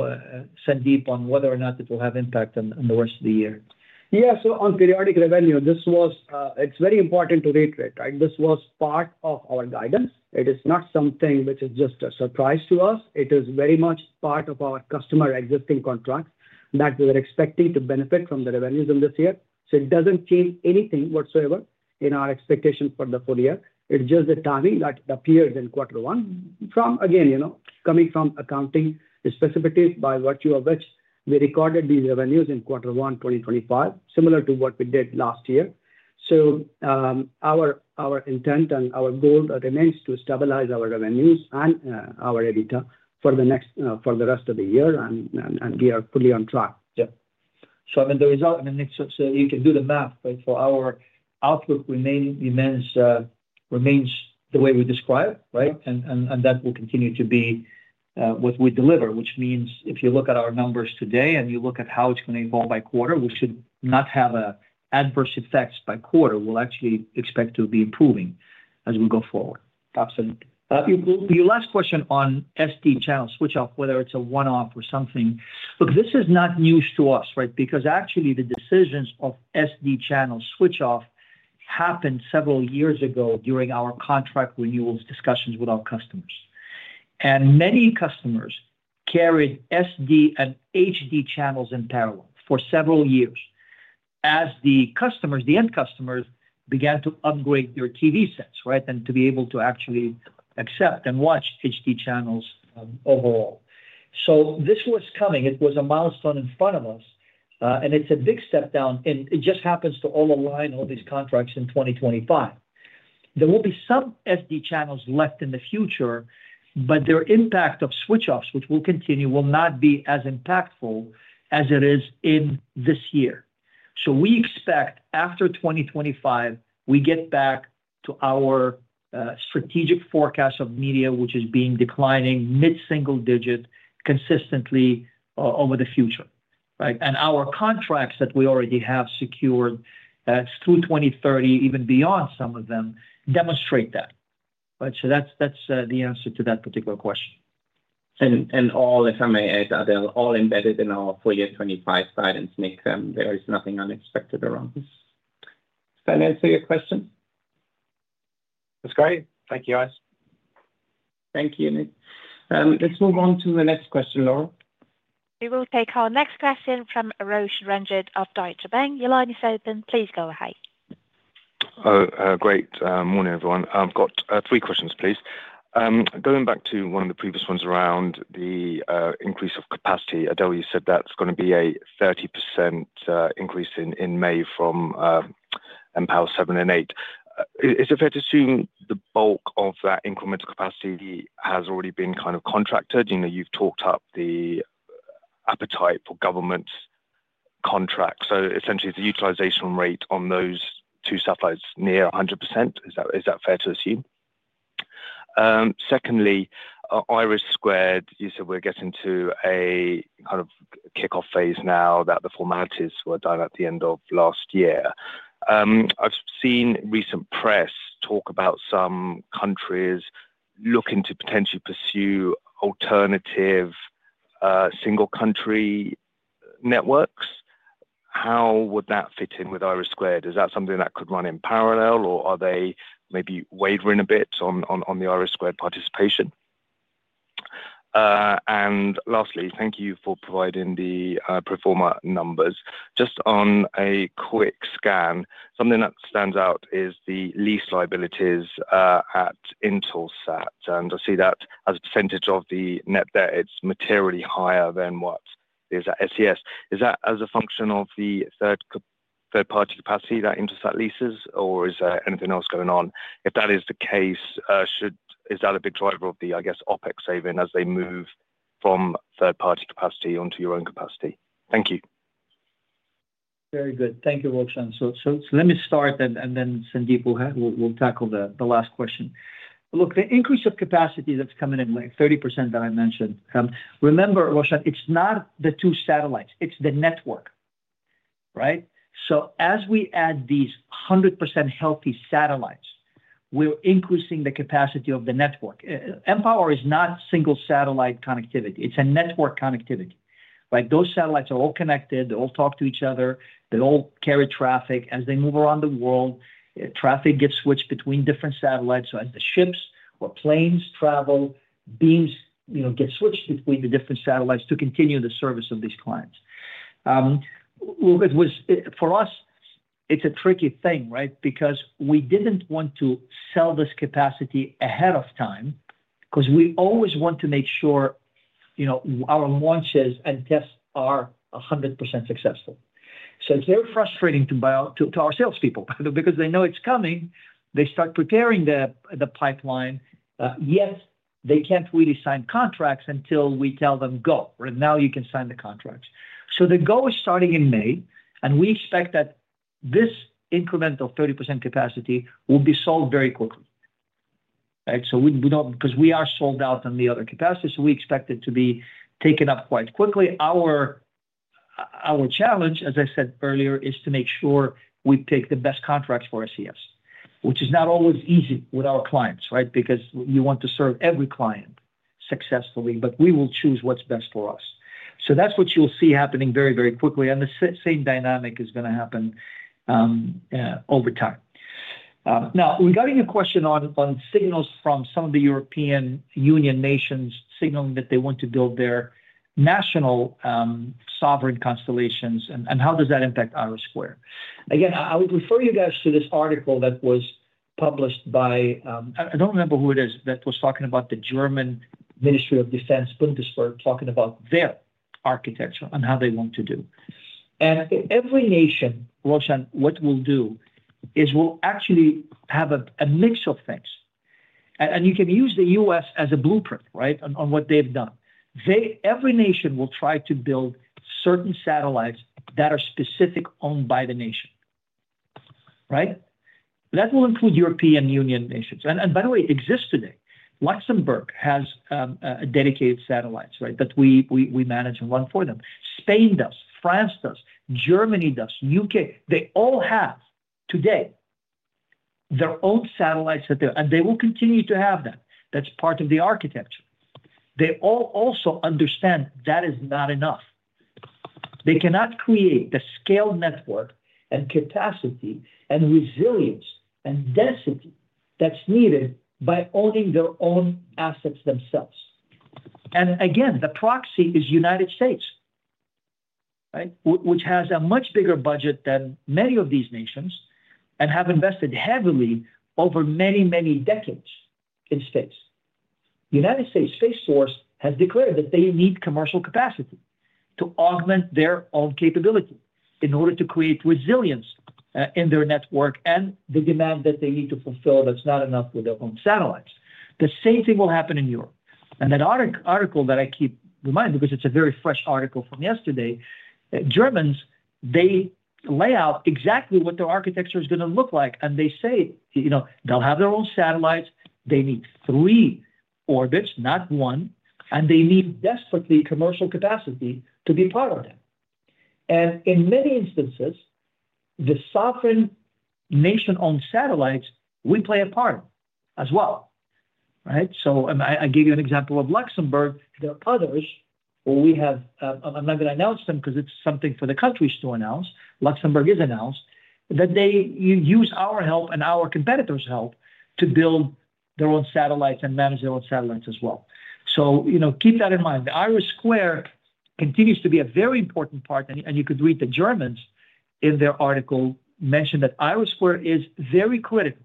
Sandeep on whether or not it will have impact on the rest of the year. Yeah. On periodic revenue, it's very important to reiterate, right? This was part of our guidance. It is not something which is just a surprise to us. It is very much part of our customer existing contracts that we were expecting to benefit from the revenues in this year. It does not change anything whatsoever in our expectation for the full year. It is just the timing that appears in quarter one from, again, coming from accounting specificities by virtue of which we recorded these revenues in quarter one 2025, similar to what we did last year. Our intent and our goal remains to stabilize our revenues and our EBITDA for the rest of the year, and we are fully on track. Yeah. I mean, the result—I mean, Nick, you can do the math, right? Our outlook remains the way we described, right? That will continue to be what we deliver, which means if you look at our numbers today and you look at how it's going to evolve by quarter, we should not have adverse effects by quarter. We actually expect to be improving as we go forward. Absolutely. Your last question on SD channel switch-off, whether it's a one-off or something. Look, this is not news to us, right? Because actually, the decisions of SD channel switch-off happened several years ago during our contract renewals discussions with our customers. Many customers carried SD and HD channels in parallel for several years as the end customers began to upgrade their TV sets, right? To be able to actually accept and watch HD channels overall. This was coming. It was a milestone in front of us, and it's a big step down. It just happens to all align, all these contracts in 2025. There will be some SD channels left in the future, but their impact of switch-offs, which will continue, will not be as impactful as it is in this year. We expect after 2025, we get back to our strategic forecast of media, which is being declining mid-single digit consistently over the future, right? Our contracts that we already have secured through 2030, even beyond some of them, demonstrate that. That is the answer to that particular question. If I may add, they are all embedded in our full year 2025 guidance, Nick. There is nothing unexpected around this. Does that answer your question? That's great. Thank you, guys. Thank you, Nick. Let's move on to the next question, Laura. We will take our next question from Roshan Ranjan of Deutsche Bank. Your line is open. Please go ahead. Great. Morning, everyone. I've got three questions, please. Going back to one of the previous ones around the increase of capacity, Adel, you said that's going to be a 30% increase in May from M-Power 7 and 8. Is it fair to assume the bulk of that incremental capacity has already been kind of contracted? You've talked up the appetite for government contracts. Essentially, the utilization rate on those two satellites is near 100%. Is that fair to assume? Secondly, IRIS², you said we're getting to a kind of kickoff phase now that the formalities were done at the end of last year. I've seen recent press talk about some countries looking to potentially pursue alternative single-country networks. How would that fit in with IRIS²? Is that something that could run in parallel, or are they maybe wavering a bit on the IRIS² participation? Lastly, thank you for providing the pro forma numbers. Just on a quick scan, something that stands out is the lease liabilities at Intelsat. I see that as a percentage of the net debt, it is materially higher than what is at SES. Is that as a function of the third-party capacity that Intelsat leases, or is there anything else going on? If that is the case, is that a big driver of the, I guess, OpEx saving as they move from third-party capacity onto your own capacity? Thank you. Very good. Thank you, Roshan. Let me start, and then Sandeep will tackle the last question. Look, the increase of capacity that is coming in, like 30% that I mentioned, remember, Roshan, it is not the two satellites. It's the network, right? As we add these 100% healthy satellites, we're increasing the capacity of the network. M-Power is not single satellite connectivity. It's a network connectivity, right? Those satellites are all connected. They all talk to each other. They all carry traffic. As they move around the world, traffic gets switched between different satellites. As the ships or planes travel, beams get switched between the different satellites to continue the service of these clients. For us, it's a tricky thing, right? We didn't want to sell this capacity ahead of time because we always want to make sure our launches and tests are 100% successful. It's very frustrating to our salespeople because they know it's coming. They start preparing the pipeline, yet they can't really sign contracts until we tell them, "Go. Now you can sign the contracts. The go is starting in May, and we expect that this incremental 30% capacity will be sold very quickly, right? Because we are sold out on the other capacity, we expect it to be taken up quite quickly. Our challenge, as I said earlier, is to make sure we pick the best contracts for SES, which is not always easy with our clients, right? Because you want to serve every client successfully, but we will choose what's best for us. That is what you'll see happening very, very quickly. The same dynamic is going to happen over time. Now, regarding your question on signals from some of the European Union nations signaling that they want to build their national sovereign constellations, and how does that impact IRIS²? Again, I would refer you guys to this article that was published by—I don't remember who it is—that was talking about the German Ministry of Defense, Bundeswehr, talking about their architecture and how they want to do. Every nation, Roshan, what we'll do is we'll actually have a mix of things. You can use the U.S. as a blueprint, right, on what they've done. Every nation will try to build certain satellites that are specifically owned by the nation, right? That will include European Union nations. By the way, it exists today. Luxembourg has dedicated satellites, right, that we manage and run for them. Spain does. France does. Germany does. U.K. They all have today their own satellites that they're—and they will continue to have that. That's part of the architecture. They all also understand that is not enough. They cannot create the scale network and capacity and resilience and density that's needed by owning their own assets themselves. The proxy is the U.S., right, which has a much bigger budget than many of these nations and have invested heavily over many, many decades in space. The U.S. Space Force has declared that they need commercial capacity to augment their own capability in order to create resilience in their network and the demand that they need to fulfill that's not enough with their own satellites. The same thing will happen in Europe. That article that I keep in mind, because it's a very fresh article from yesterday, Germans, they lay out exactly what their architecture is going to look like. They say they'll have their own satellites. They need three orbits, not one. They need desperately commercial capacity to be part of that. In many instances, the sovereign nation-owned satellites, we play a part as well, right? I gave you an example of Luxembourg. There are others where we have—I am not going to announce them because it is something for the countries to announce. Luxembourg has announced that they use our help and our competitors' help to build their own satellites and manage their own satellites as well. Keep that in mind. The IRIS² continues to be a very important part. You could read the Germans in their article mentioned that IRIS² is very critical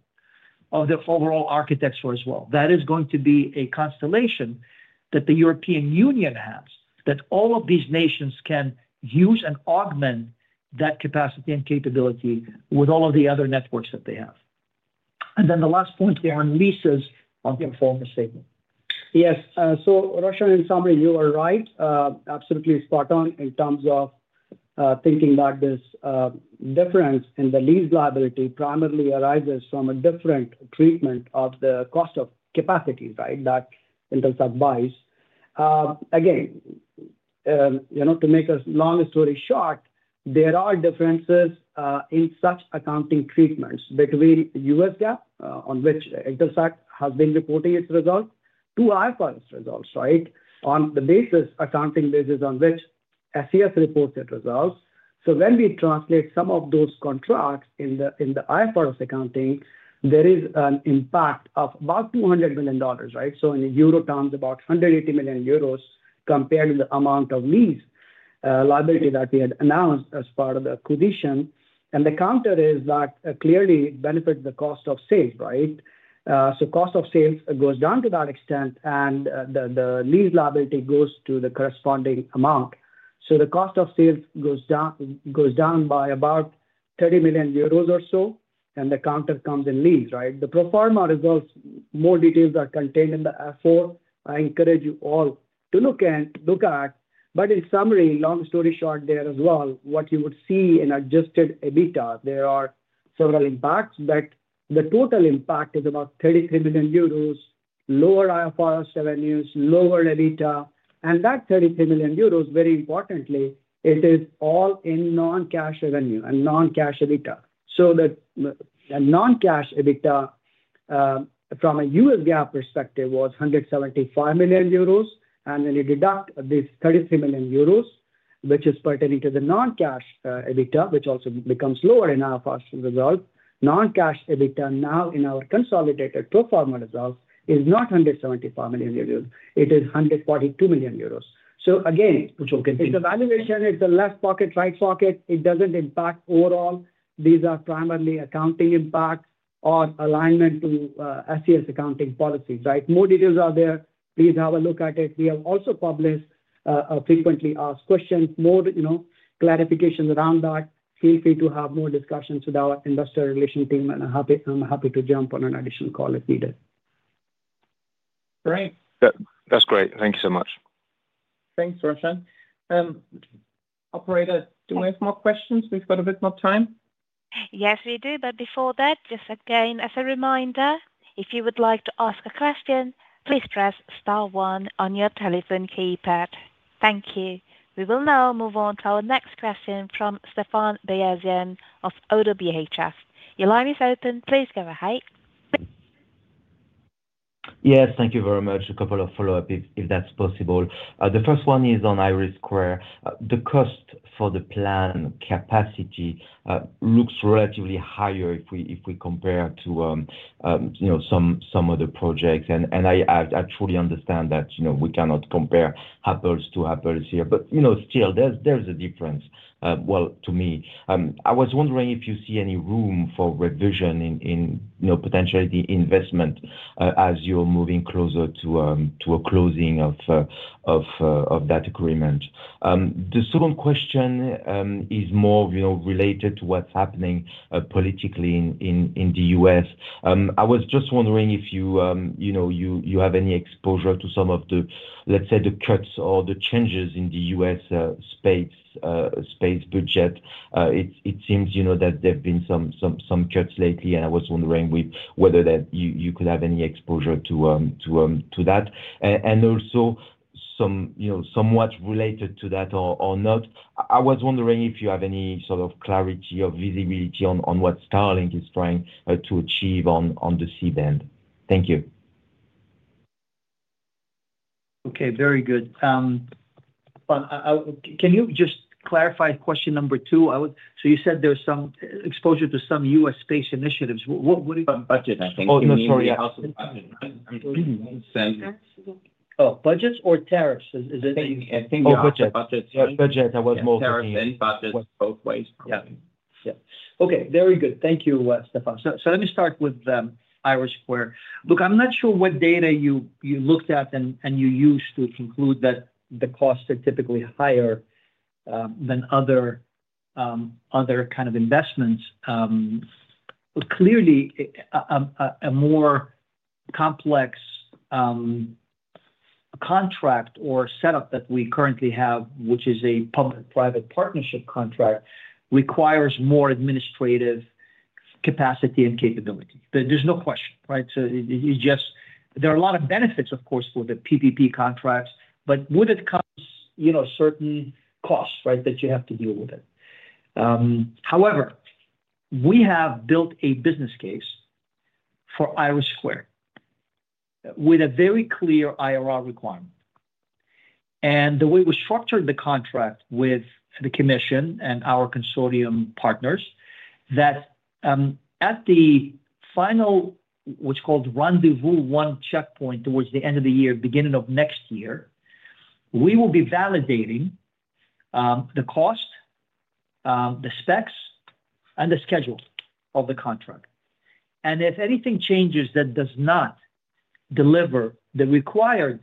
of the overall architecture as well. That is going to be a constellation that the European Union has that all of these nations can use and augment that capacity and capability with all of the other networks that they have. The last point on leases on pro forma statement. Yes. Roshan and Sandeep, you are right. Absolutely spot on in terms of thinking about this difference in the lease liability primarily arises from a different treatment of the cost of capacity, right, that Intelsat buys. Again, to make a long story short, there are differences in such accounting treatments between U.S. GAAP on which Intelsat has been reporting its results to IFRS results, right, on the accounting basis on which SES reports its results. When we translate some of those contracts in the IFRS accounting, there is an impact of about $200 million, right? In euro terms, about 180 million euros compared to the amount of lease liability that we had announced as part of the acquisition. The counter is that clearly benefits the cost of sales, right? Cost of sales goes down to that extent, and the lease liability goes to the corresponding amount. The cost of sales goes down by about 30 million euros or so, and the counter comes in lease, right? The pro forma results, more details are contained in the F-4. I encourage you all to look at. In summary, long story short there as well, what you would see in adjusted EBITDA, there are several impacts, but the total impact is about 33 million euros, lower IFRS revenues, lower EBITDA. That 33 million euros, very importantly, it is all in non-cash revenue and non-cash EBITDA. The non-cash EBITDA from a U.S. GAAP perspective was 175 million euros. When you deduct these 33 million euros, which is pertaining to the non-cash EBITDA, which also becomes lower in IFRS results, non-cash EBITDA now in our consolidated pro forma results is not 175 million euros. It is 142 million euros. Again, it's a valuation. It's a left pocket, right pocket. It doesn't impact overall. These are primarily accounting impacts or alignment to SES accounting policies, right? More details are there. Please have a look at it. We have also published a frequently asked question, more clarifications around that. Feel free to have more discussions with our investor relation team, and I'm happy to jump on an additional call if needed. Great. That's great. Thank you so much. Thanks, Roshan. Operator, do we have more questions? We've got a bit more time. Yes, we do. Before that, just again, as a reminder, if you would like to ask a question, please press star one on your telephone keypad. Thank you. We will now move on to our next question from Stephane Beyazian of ODDO BHF. Your line is open. Please go ahead. Yes. Thank you very much. A couple of follow-up, if that's possible. The first one is on IRIS². The cost for the planned capacity looks relatively higher if we compare to some other projects. I truly understand that we cannot compare apples to apples here. Still, there is a difference, to me. I was wondering if you see any room for revision in potentially the investment as you are moving closer to a closing of that agreement. The second question is more related to what is happening politically in the U.S. I was just wondering if you have any exposure to some of the, let's say, the cuts or the changes in the U.S. space budget. It seems that there have been some cuts lately, and I was wondering whether you could have any exposure to that. Also, somewhat related to that or not, I was wondering if you have any sort of clarity or visibility on what Starlink is trying to achieve on the C-band. Thank you. Okay. Very good. Can you just clarify question number two? You said there is some exposure to some U.S. space initiatives. What are you? Budget, I think. Oh, no. Sorry. Budget or tariffs? Is it? I think you asked about budget. Budget. I was more curious about it. Both ways. Yeah. Yeah. Okay. Very good. Thank you, Stefan. Let me start with IRIS². Look, I'm not sure what data you looked at and you used to conclude that the costs are typically higher than other kind of investments. Clearly, a more complex contract or setup that we currently have, which is a public-private partnership contract, requires more administrative capacity and capability. There's no question, right? There are a lot of benefits, of course, for the PPP contracts, but with it comes certain costs, right, that you have to deal with. However, we have built a business case for IRIS² with a very clear IRR requirement. The way we structured the contract with the commission and our consortium partners is that at the final, what's called rendezvous one checkpoint towards the end of the year, beginning of next year, we will be validating the cost, the specs, and the schedule of the contract. If anything changes that does not deliver the required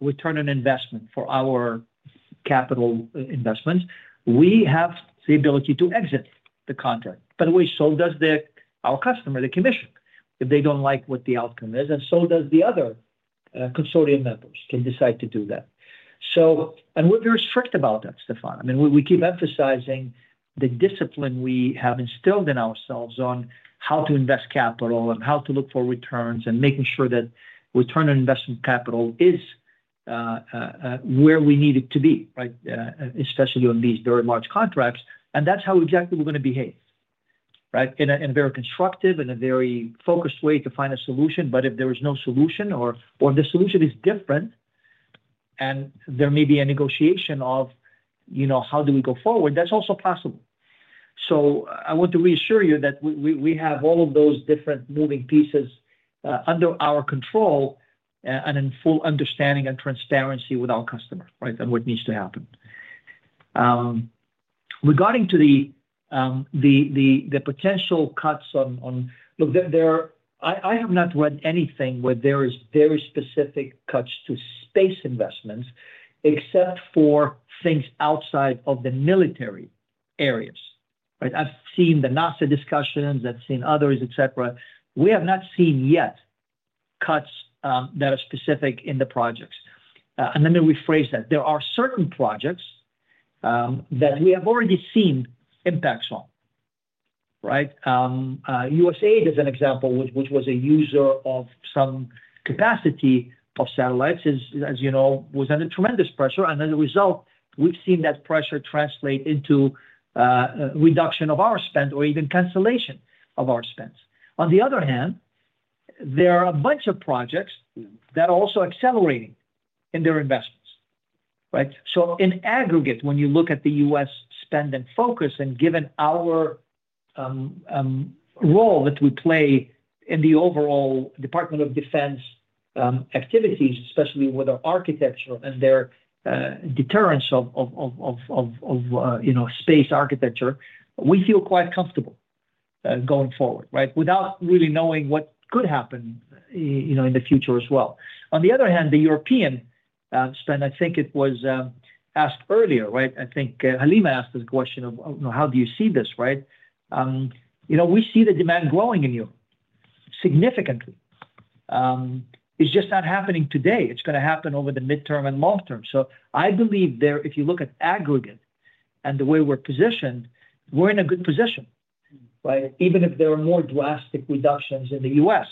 return on investment for our capital investments, we have the ability to exit the contract. By the way, so does our customer, the commission, if they do not like what the outcome is, and so do the other consortium members who can decide to do that. I mean, we keep emphasizing the discipline we have instilled in ourselves on how to invest capital and how to look for returns and making sure that return on investment capital is where we need it to be, right, especially on these very large contracts. That is how exactly we are going to behave, right, in a very constructive, in a very focused way to find a solution. If there is no solution or the solution is different and there may be a negotiation of how do we go forward, that's also possible. I want to reassure you that we have all of those different moving pieces under our control and in full understanding and transparency with our customer, right, and what needs to happen. Regarding the potential cuts, look, I have not read anything where there are very specific cuts to space investments except for things outside of the military areas, right? I've seen the NASA discussions. I've seen others, etc. We have not seen yet cuts that are specific in the projects. Let me rephrase that. There are certain projects that we have already seen impacts on, right? USAID is an example, which was a user of some capacity of satellites, as you know, was under tremendous pressure. As a result, we've seen that pressure translate into reduction of our spend or even cancellation of our spends. On the other hand, there are a bunch of projects that are also accelerating in their investments, right? In aggregate, when you look at the U.S. spend and focus and given our role that we play in the overall Department of Defense activities, especially with our architecture and their deterrence of space architecture, we feel quite comfortable going forward, right, without really knowing what could happen in the future as well. On the other hand, the European spend, I think it was asked earlier, right? I think Halima asked this question of, "How do you see this, right?" We see the demand growing in Europe significantly. It's just not happening today. It's going to happen over the midterm and long term. I believe if you look at aggregate and the way we're positioned, we're in a good position, right, even if there are more drastic reductions in the U.S.,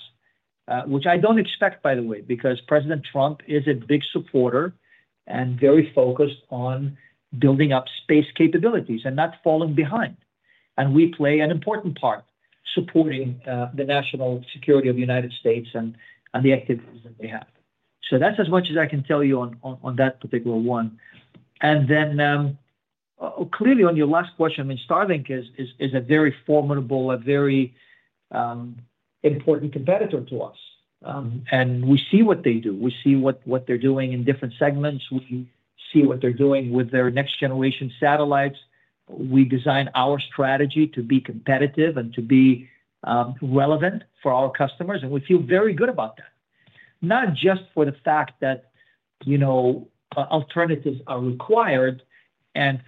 which I don't expect, by the way, because President Trump is a big supporter and very focused on building up space capabilities and not falling behind. We play an important part supporting the national security of the United States and the activities that they have. That's as much as I can tell you on that particular one. Clearly, on your last question, I mean, Starlink is a very formidable, a very important competitor to us. We see what they do. We see what they're doing in different segments. We see what they're doing with their next-generation satellites. We design our strategy to be competitive and to be relevant for our customers. We feel very good about that. Not just for the fact that alternatives are required.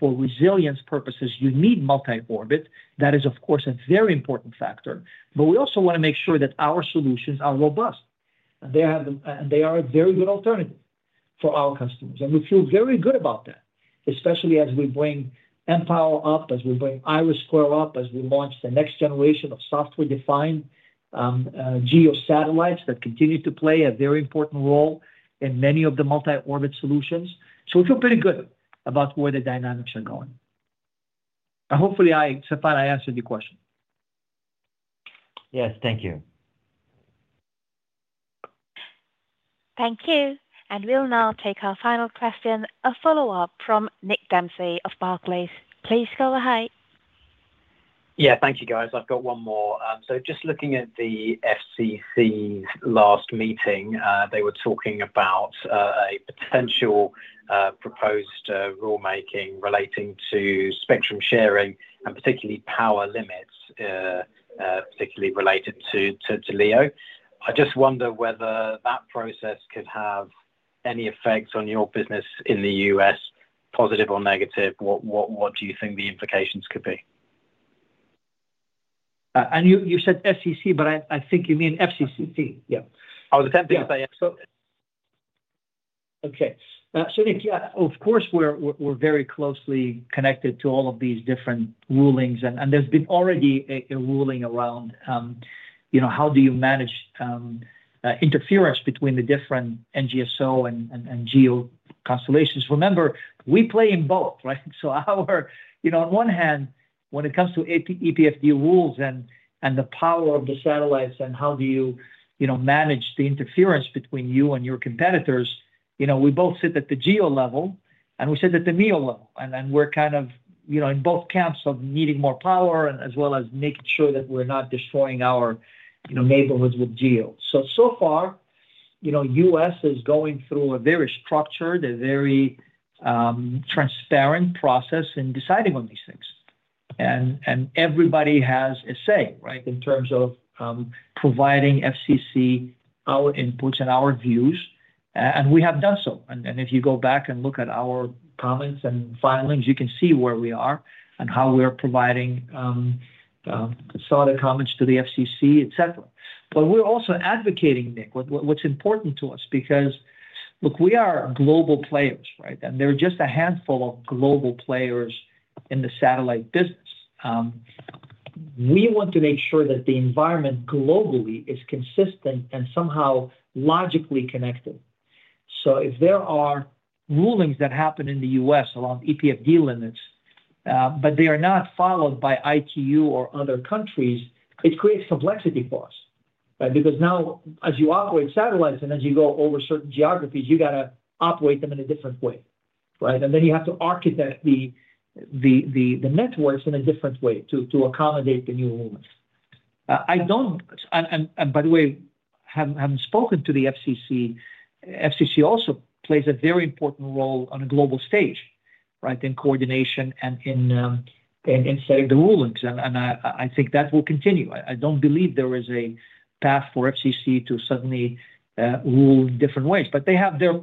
For resilience purposes, you need multi-orbit. That is, of course, a very important factor. We also want to make sure that our solutions are robust. They are a very good alternative for our customers. We feel very good about that, especially as we bring mPOWER up, as we bring IRIS² up, as we launch the next generation of software-defined GEO satellites that continue to play a very important role in many of the multi-orbit solutions. We feel pretty good about where the dynamics are going. Hopefully, Stefan, I answered your question. Yes. Thank you. Thank you. We will now take our final question, a follow-up from Nick Dempsey of Barclays. Please go ahead. Yeah. Thank you, guys. I have got one more. Just looking at the FCC's last meeting, they were talking about a potential proposed rulemaking relating to spectrum sharing and particularly power limits, particularly related to LEO. I just wonder whether that process could have any effect on your business in the US, positive or negative. What do you think the implications could be? You said FCC, but I think you mean EPFD. Yeah. I was attempting to say. Okay. Nick, yeah, of course, we're very closely connected to all of these different rulings. There's been already a ruling around how do you manage interference between the different NGSO and GEO constellations. Remember, we play in both, right? On one hand, when it comes to EPFD rules and the power of the satellites and how do you manage the interference between you and your competitors, we both sit at the GEO level and we sit at the MEO level. We're kind of in both camps of needing more power as well as making sure that we're not destroying our neighborhoods with GEO. So far, the U.S. is going through a very structured, very transparent process in deciding on these things. Everybody has a say, right, in terms of providing the FCC our inputs and our views. We have done so. If you go back and look at our comments and filings, you can see where we are and how we are providing solid comments to the FCC, etc. We are also advocating, Nick, what's important to us because, look, we are global players, right? There are just a handful of global players in the satellite business. We want to make sure that the environment globally is consistent and somehow logically connected. If there are rulings that happen in the U.S. along EPFD limits, but they are not followed by ITU or other countries, it creates complexity for us, right? Because now, as you operate satellites and as you go over certain geographies, you have to operate them in a different way, right? You have to architect the networks in a different way to accommodate the new rulings. By the way, having spoken to the FCC, FCC also plays a very important role on a global stage, right, in coordination and in setting the rulings. I think that will continue. I don't believe there is a path for FCC to suddenly rule in different ways. They have their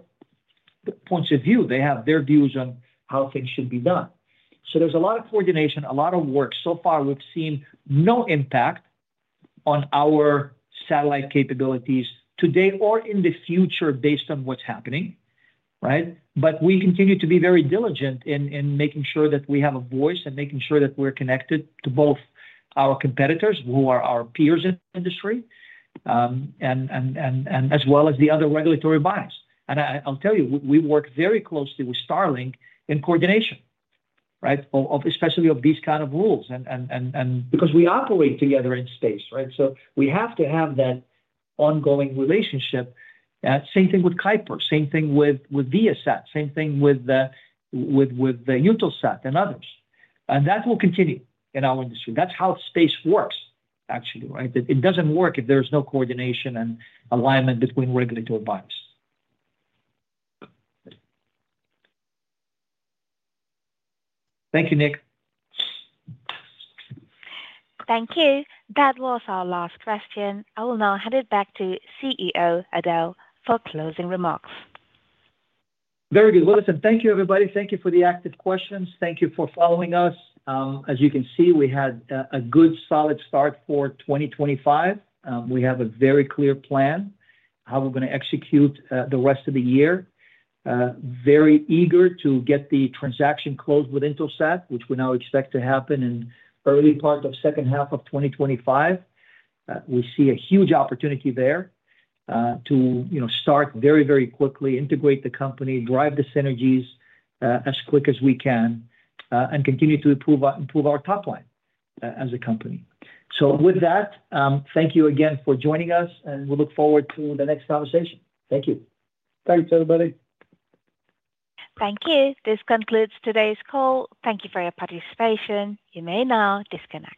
points of view. They have their views on how things should be done. There is a lot of coordination, a lot of work. So far, we've seen no impact on our satellite capabilities today or in the future based on what's happening, right? We continue to be very diligent in making sure that we have a voice and making sure that we're connected to both our competitors who are our peers in the industry as well as the other regulatory bodies. I'll tell you, we work very closely with Starlink in coordination, right, especially on these kind of rules because we operate together in space, right? We have to have that ongoing relationship. Same thing with Kuiper, same thing with Viasat, same thing with Eutelsat and others. That will continue in our industry. That is how space works, actually, right? It does not work if there is no coordination and alignment between regulatory bodies. Thank you, Nick. Thank you. That was our last question. I will now hand it back to CEO Adel for closing remarks. Very good. Listen, thank you, everybody. Thank you for the active questions. Thank you for following us. As you can see, we had a good solid start for 2025. We have a very clear plan how we are going to execute the rest of the year. Very eager to get the transaction closed with Eutelsat, which we now expect to happen in the early part of the second half of 2025. We see a huge opportunity there to start very, very quickly, integrate the company, drive the synergies as quick as we can, and continue to improve our top line as a company. With that, thank you again for joining us, and we look forward to the next conversation. Thank you. Thanks, everybody. Thank you. This concludes today's call. Thank you for your participation. You may now disconnect.